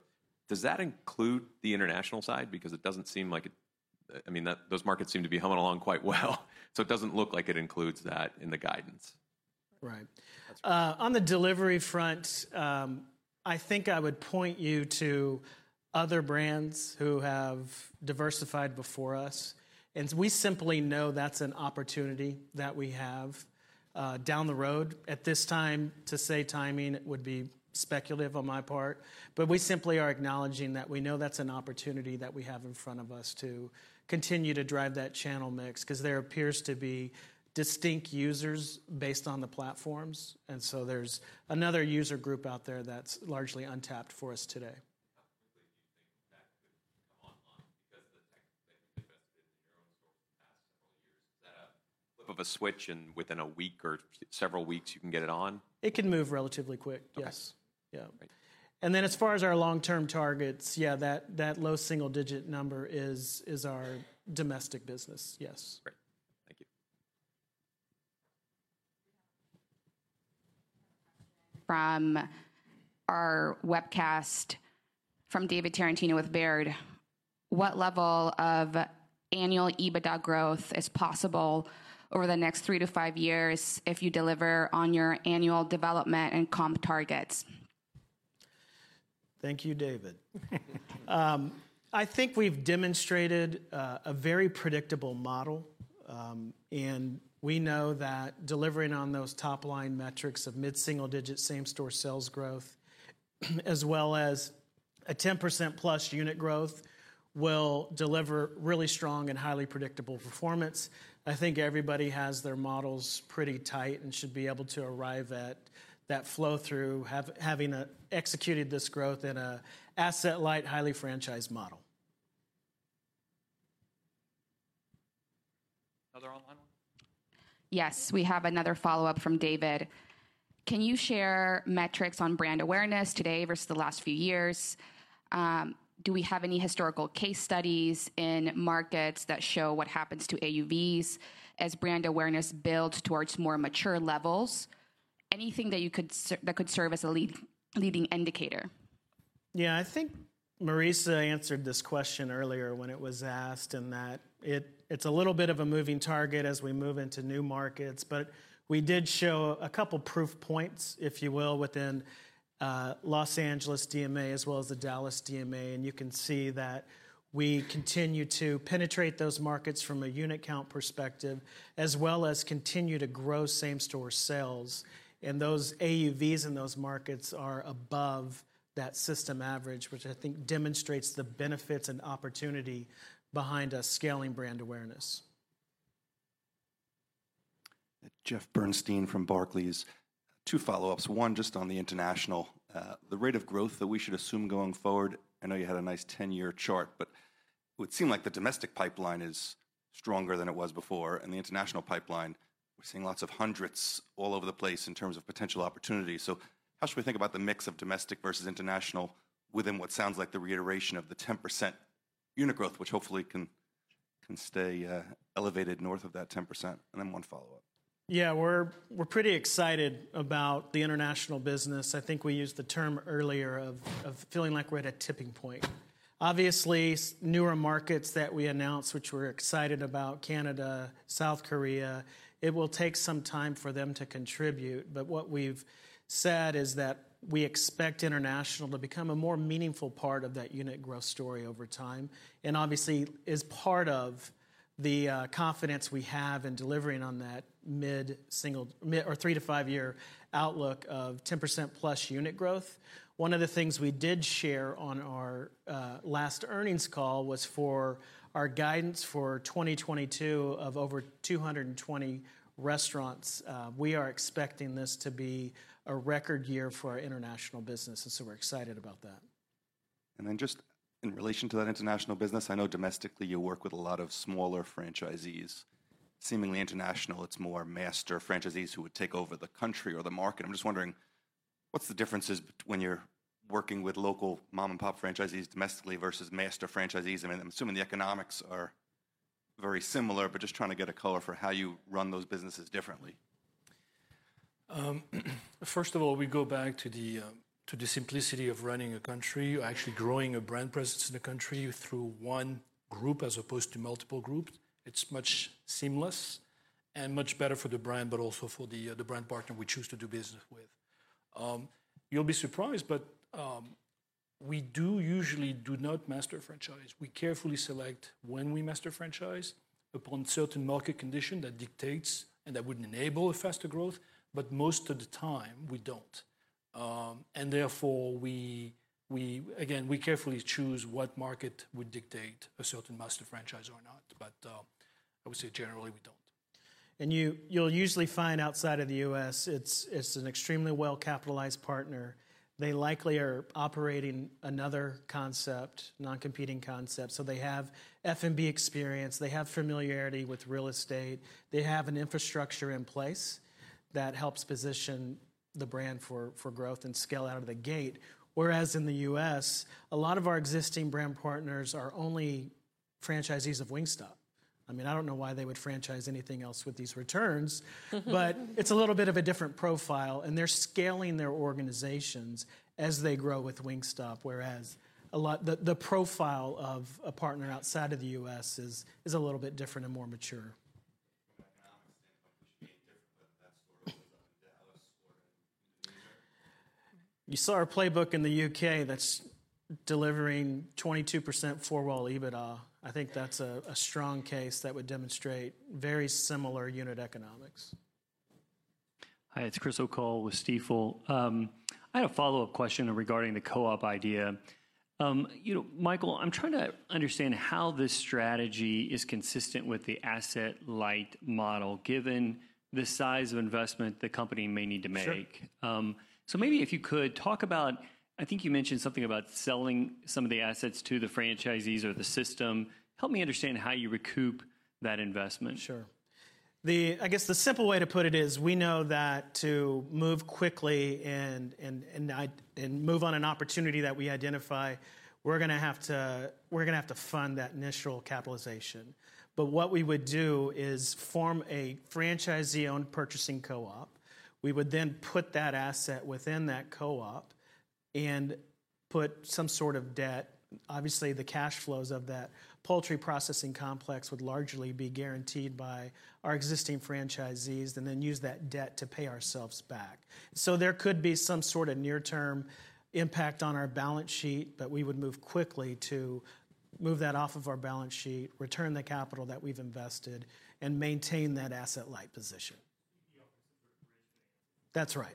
Does that include the international side? Because it doesn't seem like it. I mean, those markets seem to be humming along quite well, so it doesn't look like it includes that in the guidance. Right. That's right. On the delivery front, I think I would point you to other brands who have diversified before us. We simply know that's an opportunity that we have down the road. At this time, to say timing would be speculative on my part. We simply are acknowledging that we know that's an opportunity that we have in front of us to continue to drive that channel mix, 'cause there appears to be distinct users based on the platforms, and so there's another user group out there that's largely untapped for us today. How quickly do you think that could come online? Because the tech that you've invested in your own store for the past several years, is that a flip of a switch, and within a week or several weeks you can get it on? It can move relatively quick, yes. Okay. Yeah. Great. As far as our long-term targets, yeah, that low single digit number is our domestic business, yes. Great. Thank you. From our webcast from David Tarantino with Baird. What level of annual EBITDA growth is possible over the next three to five years if you deliver on your annual development and comp targets? Thank you, David. I think we've demonstrated a very predictable model, and we know that delivering on those top-line metrics of mid single-digit same-store sales growth, as well as 10%+ unit growth, will deliver really strong and highly predictable performance. I think everybody has their models pretty tight and should be able to arrive at that flow-through, having executed this growth in an asset-light, highly franchised model. Another online one? Yes, we have another follow-up from David. Can you share metrics on brand awareness today versus the last few years? Do we have any historical case studies in markets that show what happens to AUVs as brand awareness builds towards more mature levels? Anything that could serve as a leading indicator? Yeah. I think Marisa answered this question earlier when it was asked, and it's a little bit of a moving target as we move into new markets. We did show a couple proof points, if you will, within Los Angeles DMA as well as the Dallas DMA, and you can see that we continue to penetrate those markets from a unit count perspective, as well as continue to grow same-store sales. Those AUVs in those markets are above that system average, which I think demonstrates the benefits and opportunity behind us scaling brand awareness. Jeff Bernstein from Barclays. Two follow-ups. One just on the international. The rate of growth that we should assume going forward, I know you had a nice 10-year chart, but it would seem like the domestic pipeline is stronger than it was before, and the international pipeline, we're seeing lots of hundreds all over the place in terms of potential opportunities. How should we think about the mix of domestic versus international within what sounds like the reiteration of the 10% unit growth, which hopefully can stay elevated north of that 10%? Then one follow-up. Yeah. We're pretty excited about the international business. I think we used the term earlier of feeling like we're at a tipping point. Obviously, newer markets that we announced, which we're excited about, Canada, South Korea, it will take some time for them to contribute. What we've said is that we expect international to become a more meaningful part of that unit growth story over time, and obviously is part of the confidence we have in delivering on that mid or three- to five-year outlook of 10%+ unit growth. One of the things we did share on our last earnings call was for our guidance for 2022 of over 220 restaurants. We are expecting this to be a record year for our international business, and so we're excited about that. Just in relation to that international business, I know domestically you work with a lot of smaller franchisees. Seemingly international, it's more master franchisees who would take over the country or the market. I'm just wondering what's the differences when you're working with local mom-and-pop franchisees domestically versus master franchisees? I mean, I'm assuming the economics are very similar, but just trying to get a color for how you run those businesses differently. First of all, we go back to the simplicity of running a country. Actually growing a brand presence in a country through one group as opposed to multiple groups. It's much seamless and much better for the brand, but also for the brand partner we choose to do business with. You'll be surprised, but we usually do not master franchise. We carefully select when we master franchise upon certain market condition that dictates and that would enable a faster growth. Most of the time we don't. Therefore, we again carefully choose what market would dictate a certain master franchise or not. I would say generally we don't. You'll usually find outside of the U.S., it's an extremely well-capitalized partner. They likely are operating another concept, non-competing concept. They have F&B experience. They have familiarity with real estate. They have an infrastructure in place that helps position the brand for growth and scale out of the gate. Whereas in the U.S., a lot of our existing brand partners are only franchisees of Wingstop. I mean, I don't know why they would franchise anything else with these returns. It's a little bit of a different profile, and they're scaling their organizations as they grow with Wingstop. Whereas the profile of a partner outside of the U.S. is a little bit different and more mature. From an economic standpoint, it should be different whether that store opens up in Dallas or in the U.K. You saw our playbook in the U.K. that's delivering 22% four-wall EBITDA. I think that's a strong case that would demonstrate very similar unit economics. Hi, it's Chris O'Cull with Stifel. I had a follow-up question regarding the co-op idea. You know, Michael, I'm trying to understand how this strategy is consistent with the asset light model, given the size of investment the company may need to make. Sure. Maybe if you could talk about, I think you mentioned something about selling some of the assets to the franchisees or the system. Help me understand how you recoup that investment. Sure. I guess the simple way to put it is we know that to move quickly and move on an opportunity that we identify, we're gonna have to fund that initial capitalization. What we would do is form a franchisee-owned purchasing co-op. We would then put that asset within that co-op and put some sort of debt. Obviously, the cash flows of that poultry processing complex would largely be guaranteed by our existing franchisees, and then use that debt to pay ourselves back. There could be some sort of near-term impact on our balance sheet, but we would move quickly to move that off of our balance sheet, return the capital that we've invested, and maintain that asset light position. The co-op is sort of bridge financing. That's right.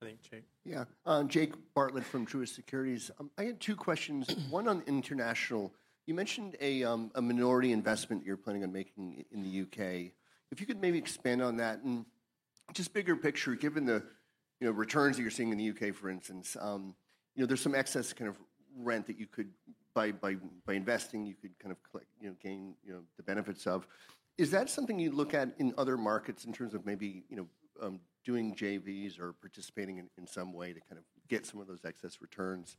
Yep. I think Jake. Yeah. Jake Bartlett from Truist Securities. I had two questions, one on international. You mentioned a minority investment you're planning on making in the U.K. If you could maybe expand on that and just bigger picture, given the returns that you're seeing in the U.K., for instance. You know, there's some excess kind of return that you could by investing, you could kind of clip, you know, gain the benefits of. Is that something you'd look at in other markets in terms of maybe doing JVs or participating in some way to kind of get some of those excess returns?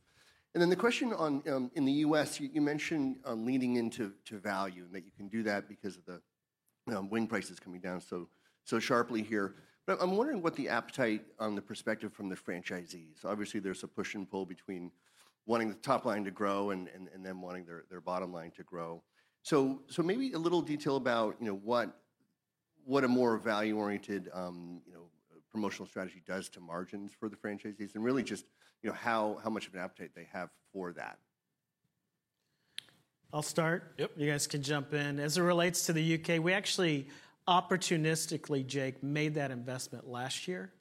Then the question on in the U.S., you mentioned leaning into value and that you can do that because of the wing prices coming down so sharply here. I'm wondering what the appetite on the perspective from the franchisees. Obviously, there's a push and pull between wanting the top line to grow and them wanting their bottom line to grow. Maybe a little detail about, you know, what a more value-oriented, you know, promotional strategy does to margins for the franchisees and really just, you know, how much of an appetite they have for that. I'll start. Yep. You guys can jump in. As it relates to the U.K,, we actually opportunistically, Jake, made that investment last year.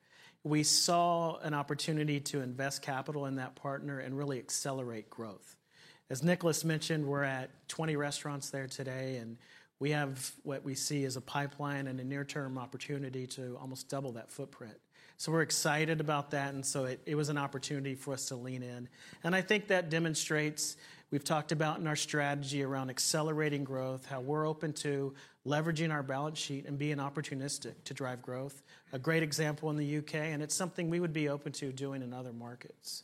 We saw an opportunity to invest capital in that partner and really accelerate growth. As Nicolas mentioned, we're at 20 restaurants there today, and we have what we see as a pipeline and a near-term opportunity to almost double that footprint. We're excited about that, and it was an opportunity for us to lean in. I think that demonstrates, we've talked about in our strategy around accelerating growth, how we're open to leveraging our balance sheet and being opportunistic to drive growth. A great example in the U.K., and it's something we would be open to doing in other markets.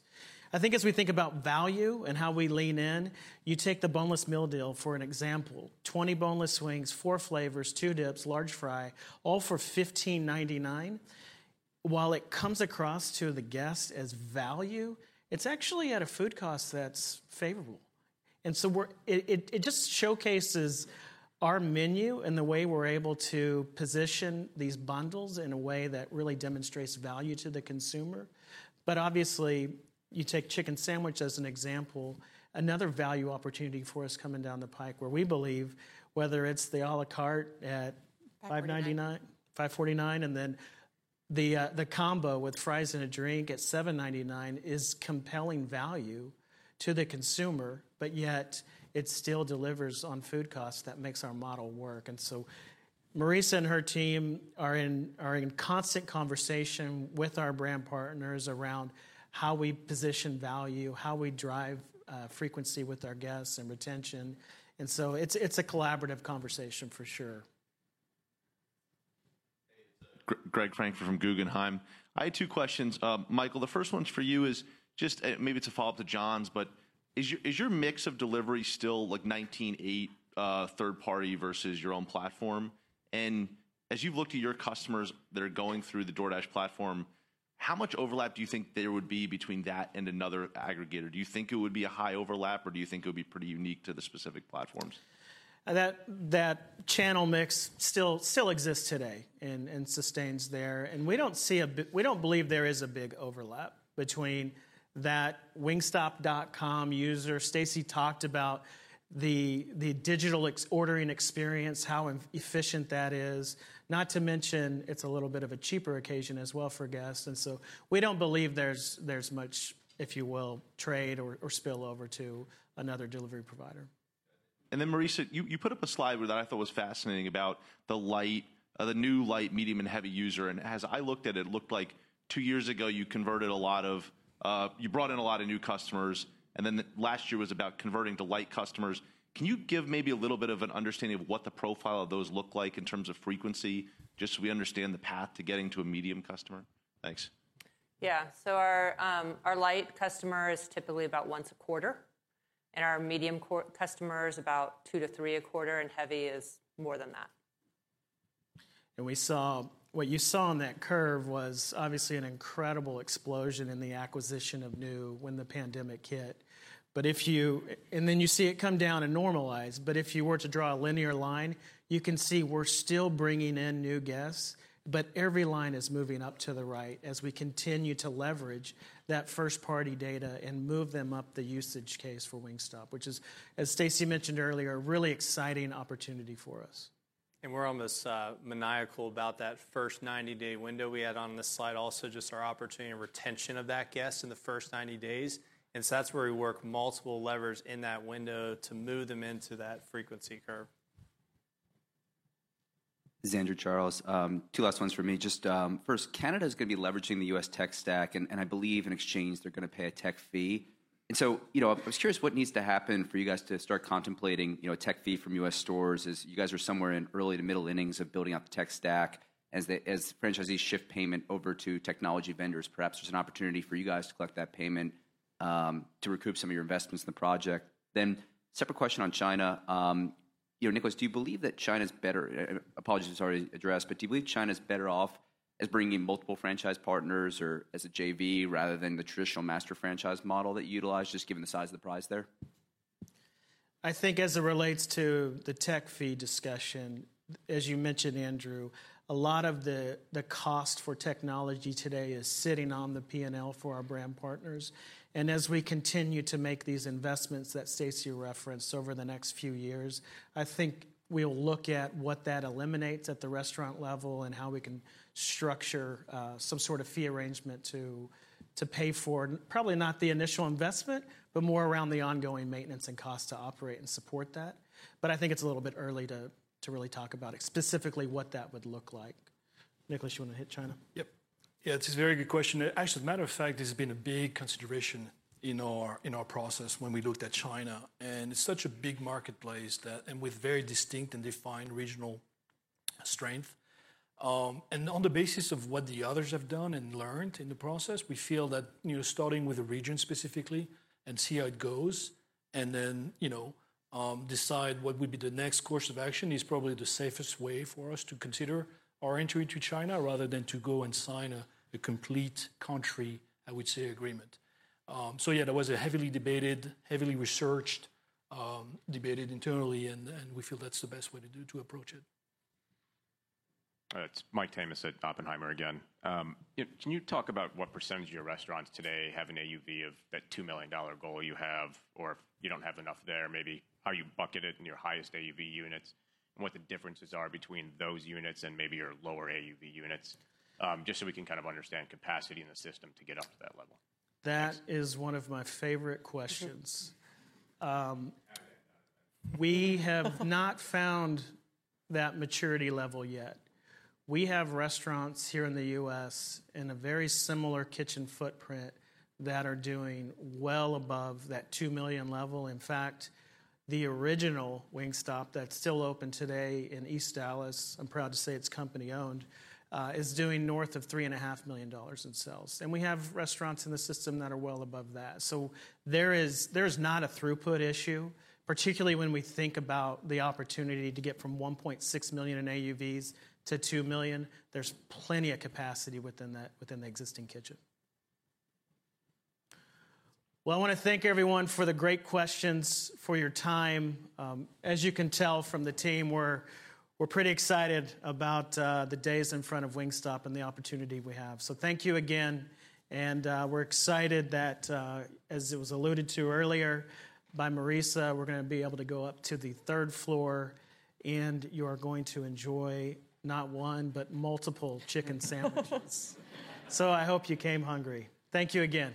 I think as we think about value and how we lean in, you take the Boneless Meal Deal, for example, 20 boneless wings, four flavors, two dips, large fry, all for $15.99. While it comes across to the guest as value, it's actually at a food cost that's favorable. It just showcases our menu and the way we're able to position these bundles in a way that really demonstrates value to the consumer. Obviously, you take chicken sandwich as an example, another value opportunity for us coming down the pike where we believe whether it's the à la carte at $5.49 And then the combo with fries and a drink at $7.99 is compelling value to the consumer, but yet it still delivers on food costs that makes our model work. Marisa and her team are in constant conversation with our brand partners around how we position value, how we drive frequency with our guests and retention. It's a collaborative conversation for sure. Hey, it's Greg Franc from Guggenheim. I had two questions. Michael, the first one's for you is just maybe it's a follow-up to Jon's, but is your mix of delivery still like 19%-8% third party versus your own platform? And as you've looked at your customers that are going through the DoorDash platform, how much overlap do you think there would be between that and another aggregator? Do you think it would be a high overlap, or do you think it would be pretty unique to the specific platforms? That channel mix still exists today and sustains there. We don't believe there is a big overlap between that wingstop.com user. Stacy talked about the digital ordering experience, how efficient that is. Not to mention, it's a little bit of a cheaper occasion as well for guests, we don't believe there's much, if you will, trade or spillover to another delivery provider. Then Marisa, you put up a slide that I thought was fascinating about the new light, medium, and heavy user, and as I looked at it looked like two years ago, you brought in a lot of new customers, and then last year was about converting to light customers. Can you give maybe a little bit of an understanding of what the profile of those look like in terms of frequency, just so we understand the path to getting to a medium customer? Thanks. Our light customer is typically about once a quarter, and our medium customer is about two to three a quarter, and heavy is more than that. What you saw on that curve was obviously an incredible explosion in the acquisition of new units when the pandemic hit. Then you see it come down and normalize, but if you were to draw a linear line, you can see we're still bringing in new guests, but every line is moving up to the right as we continue to leverage that first-party data and move them up the use case for Wingstop, which is, as Stacy mentioned earlier, a really exciting opportunity for us. We're almost maniacal about that first 90-day window we had on this slide, also just our opportunity and retention of that guest in the first 90 days. That's where we work multiple levers in that window to move them into that frequency curve. This is Andrew Charles. Two last ones for me. Just first, Canada's gonna be leveraging the U.S. tech stack, and I believe in exchange, they're gonna pay a tech fee. You know, I was curious what needs to happen for you guys to start contemplating, you know, a tech fee from U.S. stores, as you guys are somewhere in early to middle innings of building out the tech stack. As franchisees shift payment over to technology vendors, perhaps there's an opportunity for you guys to collect that payment, to recoup some of your investments in the project. Separate question on China, you know, Nicolas, do you believe that China's better off as bringing multiple franchise partners or as a JV rather than the traditional master franchise model that you utilize, just given the size of the prize there? Apologies if it's already addressed. I think as it relates to the tech fee discussion, as you mentioned, Andrew, a lot of the cost for technology today is sitting on the P&L for our brand partners. As we continue to make these investments that Stacy referenced over the next few years, I think we'll look at what that eliminates at the restaurant level and how we can structure some sort of fee arrangement to pay for probably not the initial investment, but more around the ongoing maintenance and cost to operate and support that. I think it's a little bit early to really talk about specifically what that would look like. Nicolas, you wanna hit China? Yep. Yeah, it's a very good question. Actually, matter of fact, this has been a big consideration in our process when we looked at China. It's such a big marketplace with very distinct and defined regional strength. On the basis of what the others have done and learned in the process, we feel that, you know, starting with a region specifically and see how it goes, and then, you know, decide what would be the next course of action is probably the safest way for us to consider our entry to China rather than to go and sign a complete country, I would say, agreement. So yeah, that was a heavily debated, heavily researched, debated internally, and we feel that's the best way to approach it. It's Mike Tamas at Oppenheimer again. Can you talk about what percentage of your restaurants today have an AUV of that $2 million goal you have, or if you don't have enough there, maybe how you bucket it in your highest AUV units, and what the differences are between those units and maybe your lower AUV units? Just so we can kind of understand capacity in the system to get up to that level. That is one of my favorite questions. We have not found that maturity level yet. We have restaurants here in the U.S. in a very similar kitchen footprint that are doing well above that $2 million level. In fact, the original Wingstop that's still open today in East Dallas, I'm proud to say it's company owned, is doing north of $3.5 million in sales. We have restaurants in the system that are well above that. There's not a throughput issue, particularly when we think about the opportunity to get from $1.6 million in AUVs to $2 million. There's plenty of capacity within that, within the existing kitchen. Well, I wanna thank everyone for the great questions, for your time. As you can tell from the team, we're pretty excited about the days in front of Wingstop and the opportunity we have. Thank you again. We're excited that, as it was alluded to earlier by Marisa, we're gonna be able to go up to the third floor, and you are going to enjoy not one, but multiple chicken sandwiches. I hope you came hungry. Thank you again.